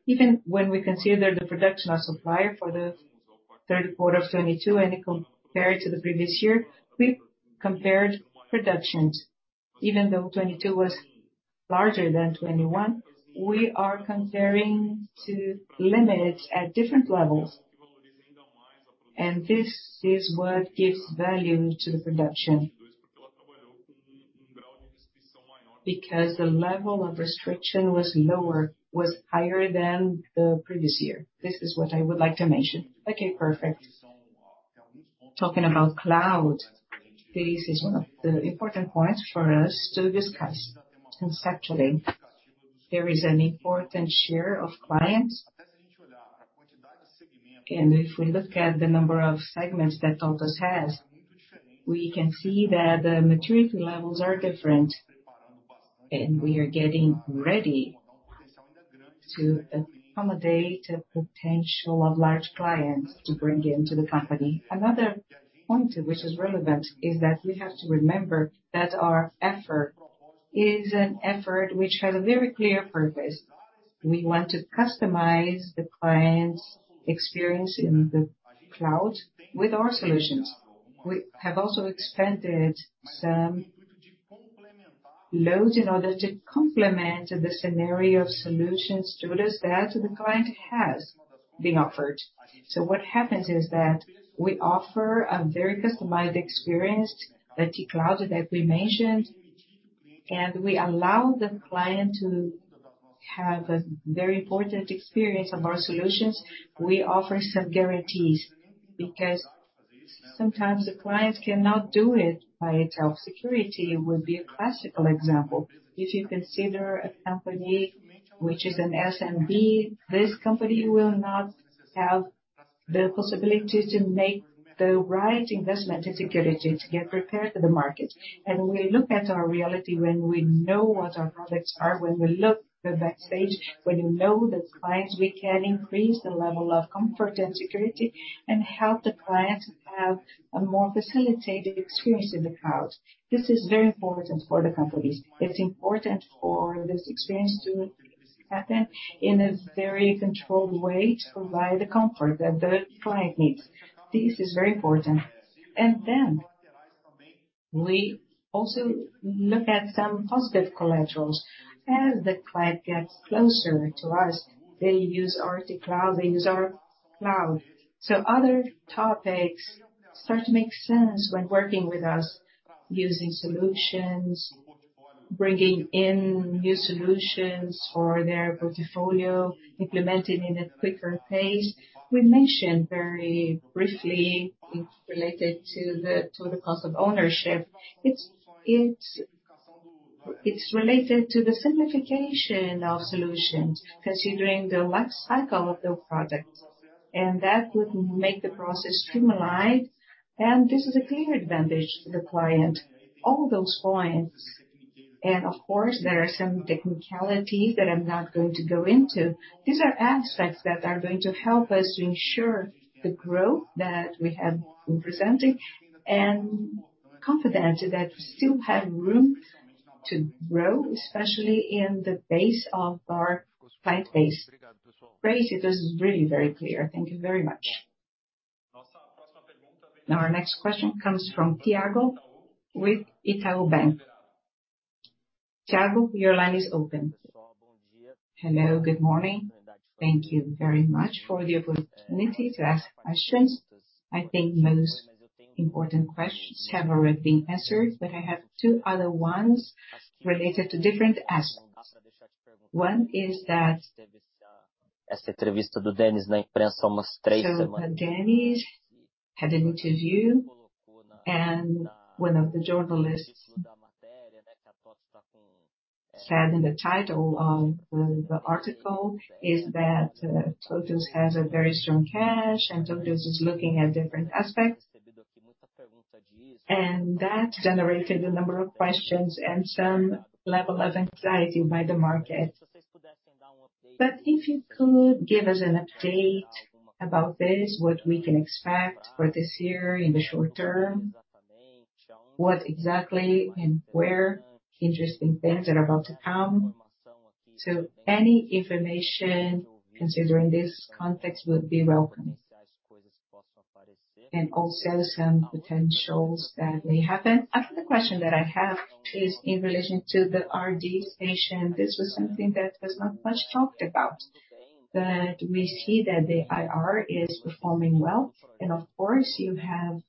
S11: Even when we consider the production of Supplier for the third quarter of 2022 and compared to the previous year, we compared productions. Even though 2022 was larger than 2021, we are comparing to limits at different levels. This is what gives value to the production. The level of restriction was higher than the previous year. This is what I would like to mention.
S10: Okay, perfect.
S11: Talking about cloud, this is one of the important points for us to discuss conceptually. There is an important share of clients. If we look at the number of segments that TOTVS has, we can see that the maturity levels are different, and we are getting ready to accommodate a potential of large clients to bring into the company. Another point which is relevant is that we have to remember that our effort is an effort which has a very clear purpose. We want to customize the client's experience in the cloud with our solutions. We have also expanded some loads in order to complement the scenario of solutions to those that the client has being offered. What happens is that we offer a very customized experience, the T-Cloud that we mentioned. We allow the client to have a very important experience of our solutions. We offer some guarantees because sometimes the clients cannot do it by itself. Security would be a classical example. If you consider a company which is an SMB, this company will not have the possibility to make the right investment in security to get prepared for the market. We look at our reality when we know what our products are, when we look the backstage, when you know the clients, we can increase the level of comfort and security and help the client have a more facilitated experience in the cloud. This is very important for the companies. It's important for this experience to happen in a very controlled way to provide the comfort that the client needs. This is very important. We also look at some positive collaterals. As the client gets closer to us, they use our T-Cloud, they use our cloud. Other topics start to make sense when working with us, using solutions, bringing in new solutions for their portfolio, implementing in a quicker pace. We mentioned very briefly, it's related to the cost of ownership. It's related to the simplification of solutions considering the life cycle of the product. That would make the process streamlined, and this is a clear advantage to the client. All those points, of course, there are some technicality that I'm not going to go into. These are aspects that are going to help us to ensure the growth that we have been presenting and confident that we still have room to grow, especially in the base of our client base.
S10: Grace, it was really very clear. Thank you very much.
S2: Our next question comes from Thiago with Itaú BBA. Thiago, your line is open.
S12: Hello, good morning. Thank you very much for the opportunity to ask questions. I think most important questions have already been answered. I have two other ones related to different aspects. One is that. Dennis had an interview, and one of the journalists said in the title of the article is that TOTVS has a very strong cash, and TOTVS is looking at different aspects. That generated a number of questions and some level of anxiety by the market. If you could give us an update about this, what we can expect for this year in the short term, what exactly and where interesting things are about to come. Any information considering this context would be welcome. Also some potentials that may happen. Other question that I have is in relation to the RD Station. This was something that was not much talked about. We see that the IR is performing well. Of course, you have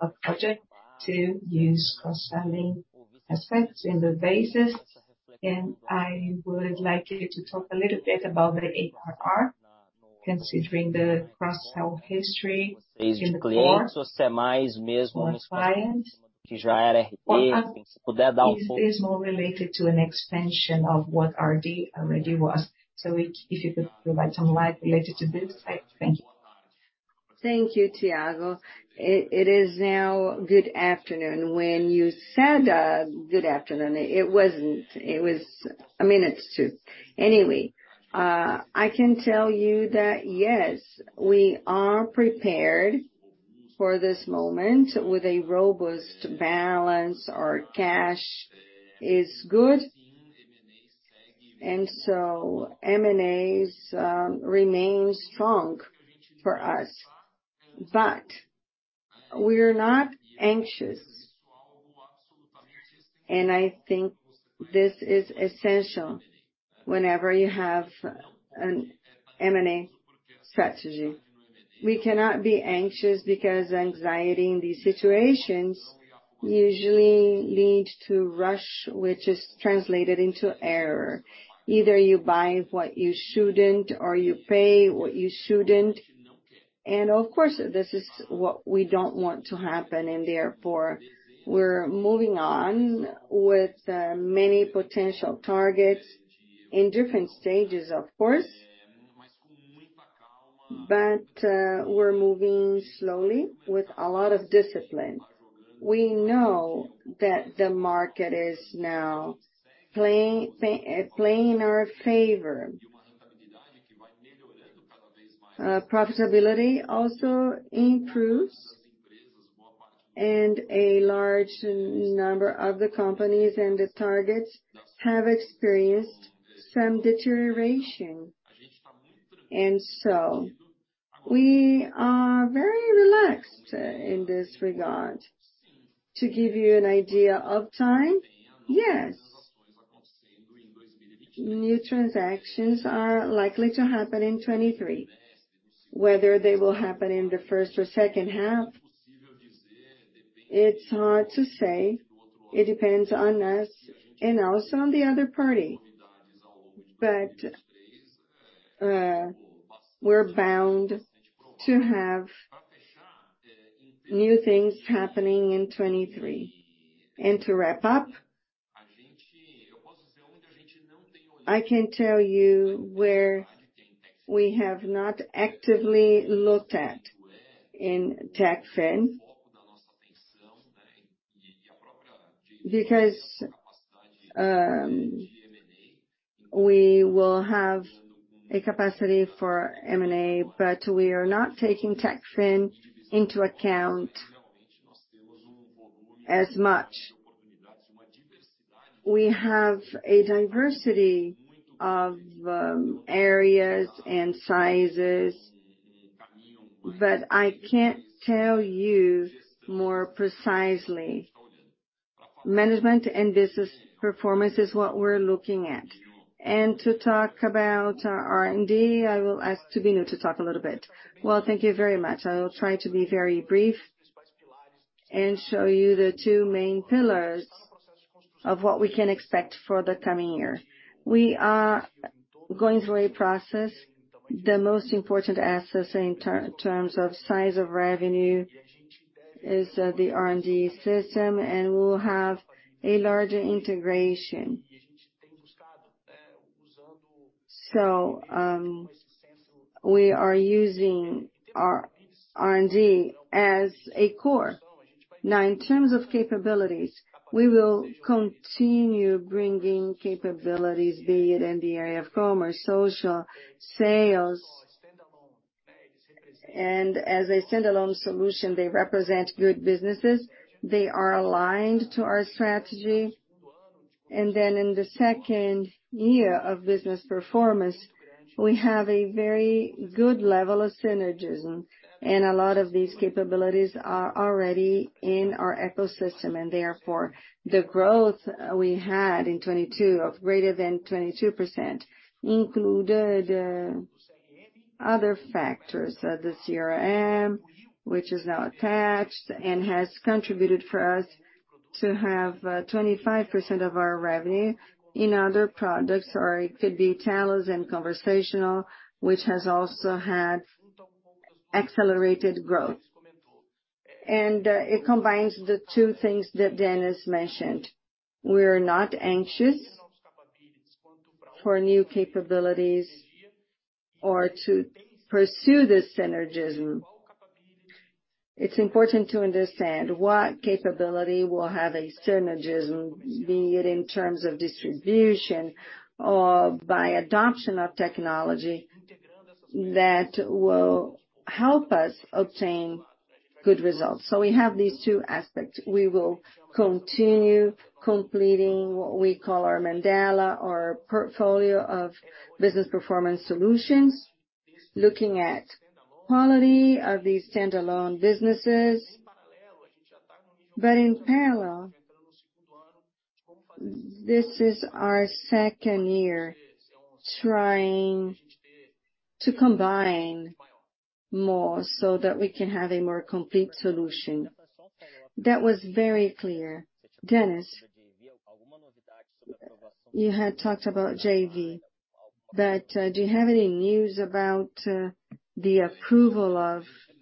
S12: a project to use cross-selling aspects in the basis. I would like you to talk a little bit about the ARR, considering the cross-sell history in the core. More clients. Is more related to an extension of what RD Station already was. If you could provide some light related to this side. Thank you.
S3: Thank you, Thiago. It is now good afternoon. When you said, good afternoon, it wasn't. It was a minute to. Anyway, I can tell you that yes, we are prepared for this moment with a robust balance. Our cash is good. M&As remain strong for us. We are not anxious. I think this is essential whenever you have an M&A strategy. We cannot be anxious because anxiety in these situations usually lead to rush, which is translated into error. Either you buy what you shouldn't or you pay what you shouldn't. Of course, this is what we don't want to happen and therefore, we're moving on with many potential targets in different stages, of course. We're moving slowly with a lot of discipline. We know that the market is now playing our favor. Profitability also improves, a large number of the companies and the targets have experienced some deterioration. We are very relaxed in this regard. To give you an idea of time, yes. New transactions are likely to happen in 2023, whether they will happen in the first or second half, it's hard to say. It depends on us and also on the other party. We're bound to have new things happening in 2023. To wrap up, I can tell you where we have not actively looked at in TECHFIN. We will have a capacity for M&A, but we are not taking TECHFIN into account as much. We have a diversity of areas and sizes, but I can't tell you more precisely. Management and business performance is what we're looking at. To talk about our R&D, I will ask Tubino to talk a little bit.
S5: Well, thank you very much. I will try to be very brief and show you the two main pillars of what we can expect for the coming year. We are going through a process. The most important assets in terms of size of revenue is the R&D system, we'll have a larger integration. We are using our R&D as a core. In terms of capabilities, we will continue bringing capabilities, be it in the area of commerce, social, sales. As a standalone solution, they represent good businesses. They are aligned to our strategy. In the second year of business performance, we have a very good level of synergism. A lot of these capabilities are already in our ecosystem, and therefore, the growth we had in 22 of greater than 22% included, other factors, the CRM, which is now attached and has contributed for us to have 25% of our revenue in other products, or it could be TALLOS and Conversational, which has also had accelerated growth. It combines the two things that Dennis mentioned. We're not anxious for new capabilities or to pursue this synergism. It's important to understand what capability will have a synergism, be it in terms of distribution or by adoption of technology that will help us obtain good results. We have these two aspects. We will continue completing what we call our Mandala, our portfolio of business performance solutions, looking at quality of these standalone businesses. In parallel, this is our second year trying to combine more so that we can have a more complete solution.
S12: That was very clear. Dennis, you had talked about JV, do you have any news about the approval?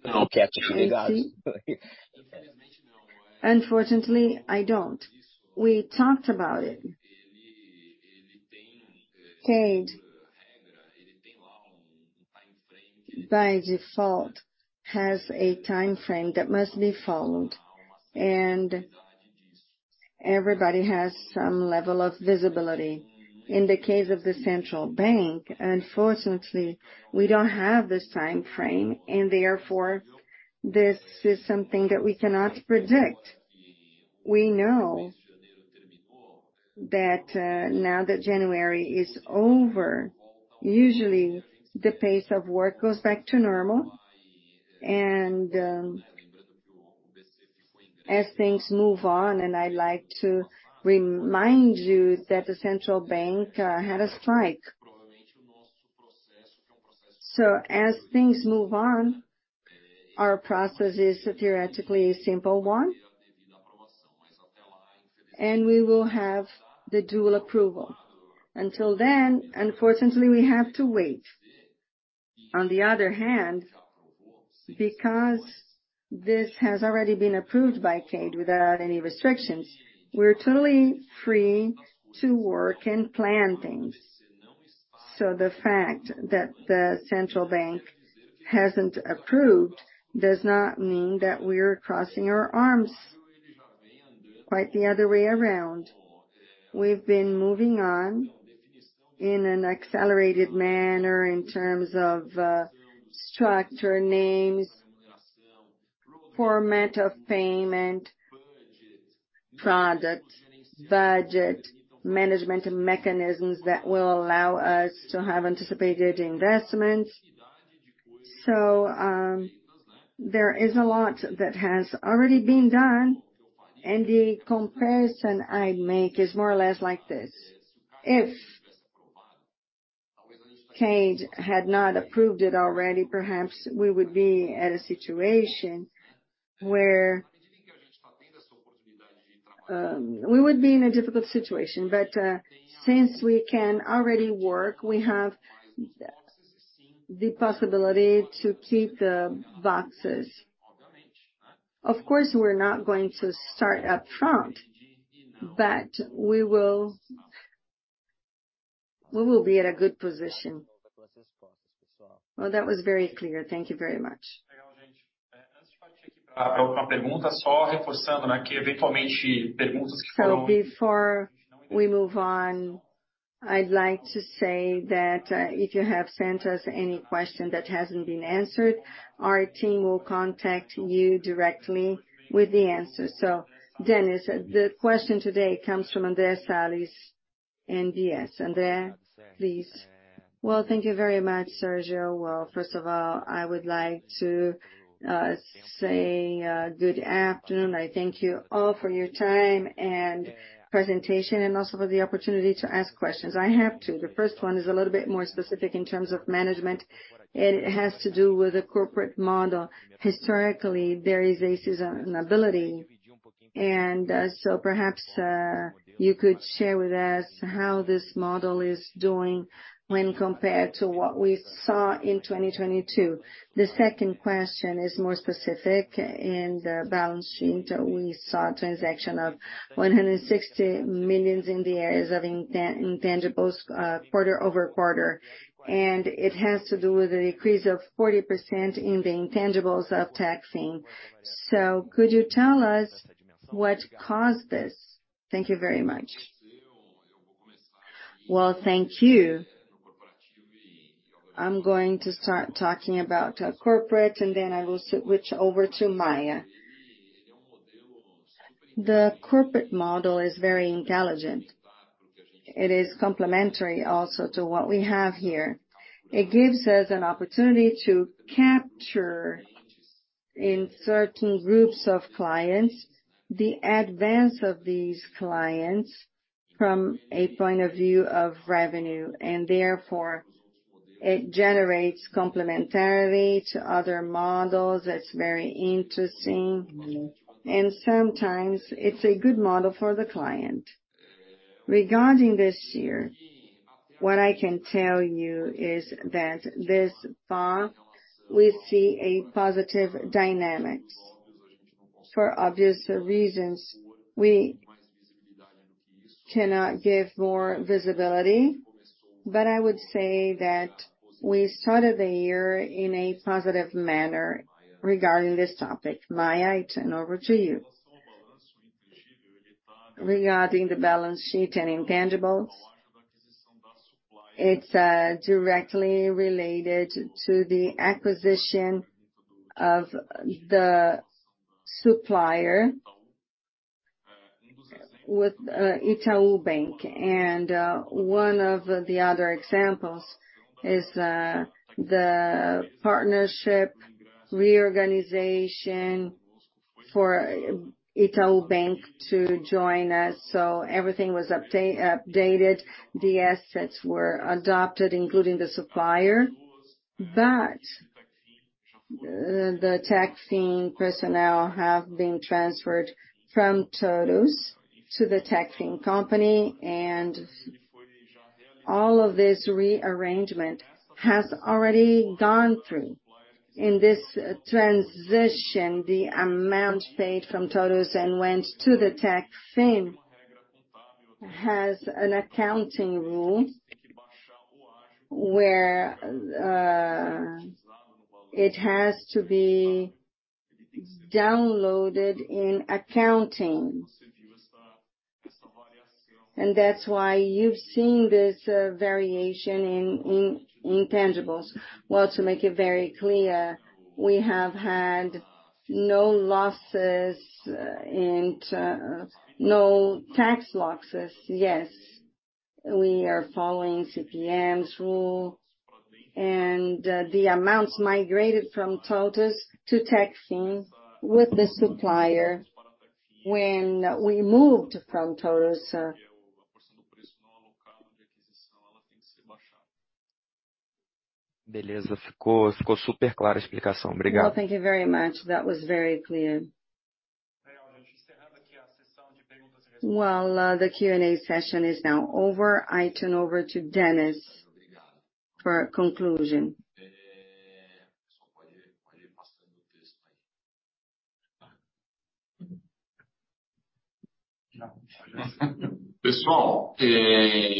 S12: I'll catch you guys.
S3: Unfortunately, I don't. We talked about it. Cade, by default, has a time frame that must be followed, and everybody has some level of visibility. In the case of the central bank, unfortunately, we don't have this time frame and therefore, this is something that we cannot predict. We know that, now that January is over, usually the pace of work goes back to normal. As things move on, and I'd like to remind you that the central bank had a strike. As things move on, our process is a theoretically simple one. We will have the dual approval. Until then, unfortunately, we have to wait. On the other hand, because this has already been approved by Cade without any restrictions, we're totally free to work and plan things. The fact that the central bank hasn't approved does not mean that we're crossing our arms. Quite the other way around. We've been moving on in an accelerated manner in terms of structure, names, format of payment, product, budget, management mechanisms that will allow us to have anticipated investments. There is a lot that has already been done, and the comparison I make is more or less like this: If CADE had not approved it already, perhaps we would be at a situation where we would be in a difficult situation. Since we can already work, we have the possibility to tick the boxes. Of course, we're not going to start upfront, but we will be at a good position.
S12: That was very clear. Thank you very much.
S2: Before we move on, I'd like to say that if you have sent us any question that hasn't been answered, our team will contact you directly with the answer. Dennis, the question today comes from André Salles, UBS. André Salles, please.
S13: Well, thank you very much, Sérgio. Well, first of all, I would like to say good afternoon. I thank you all for your time and presentation, and also for the opportunity to ask questions. I have two. The first one is a little bit more specific in terms of management. It has to do with the corporate model. Historically, there is a seasonality. So perhaps you could share with us how this model is doing when compared to what we saw in 2022. The second question is more specific. In the balance sheet, we saw a transaction of 160 million in the areas of intangibles, quarter-over-quarter. It has to do with a decrease of 40% in the intangibles of Tail. Could you tell us what caused this? Thank you very much.
S3: Well, thank you. I'm going to start talking about corporate, then I will switch over to Maia. The corporate model is very intelligent. It is complementary also to what we have here. It gives us an opportunity to capture in certain groups of clients, the advance of these clients from a point of view of revenue. Therefore, it generates complementarity to other models. It's very interesting. Sometimes it's a good model for the client. Regarding this year, what I can tell you is that this far, we see a positive dynamics. For obvious reasons, we cannot give more visibility, but I would say that we started the year in a positive manner regarding this topic. Maia, I turn over to you.
S6: Regarding the balance sheet and intangibles, it's directly related to the acquisition of the Supplier with Itaú Bank. One of the other examples is the partnership reorganization for Itaú Bank to join us. Everything was updated. The assets were adopted, including the Supplier. The TECHFIN personnel have been transferred from TOTVS to the TECHFIN company, and all of this rearrangement has already gone through. In this transition, the amount paid from TOTVS and went to the TECHFIN has an accounting rule where it has to be downloaded in accounting. That's why you've seen this variation in intangibles. Well, to make it very clear, we have had no losses and no tax losses. We are following CVM's rule, the amounts migrated from TOTVS to TECHFIN with the Supplier when we moved from TOTVS.
S13: Well, thank you very much. That was very clear.
S2: Well, the Q&A session is now over. I turn over to Dennis for conclusion.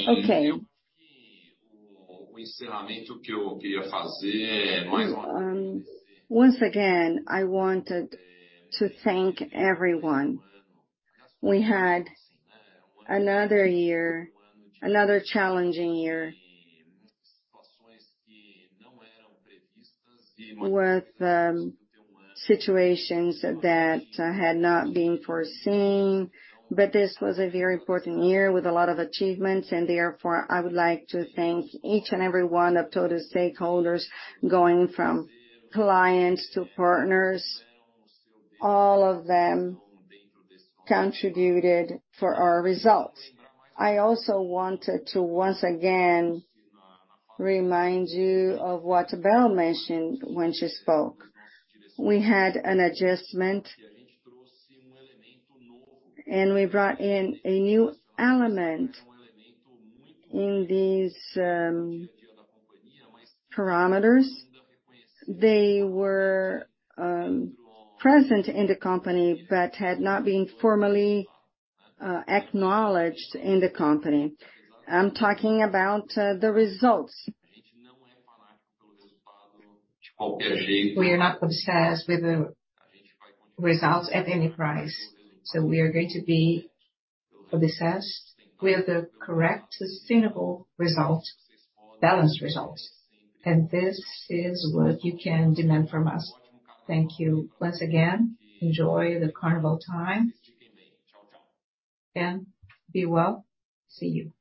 S3: Okay. Once again, I wanted to thank everyone. We had another challenging year with situations that had not been foreseen. This was a very important year with a lot of achievements and therefore, I would like to thank each and every one of TOTVS stakeholders, going from clients to partners. All of them contributed for our results. I also wanted to, once again, remind you of what Bel mentioned when she spoke. We had an adjustment, and we brought in a new element in these parameters. They were present in the company, but had not been formally acknowledged in the company. I'm talking about the results. We are not obsessed with the results at any price, so we are going to be obsessed with the correct sustainable result, balanced results. This is what you can demand from us. Thank you once again. Enjoy the carnival time. Be well. See you.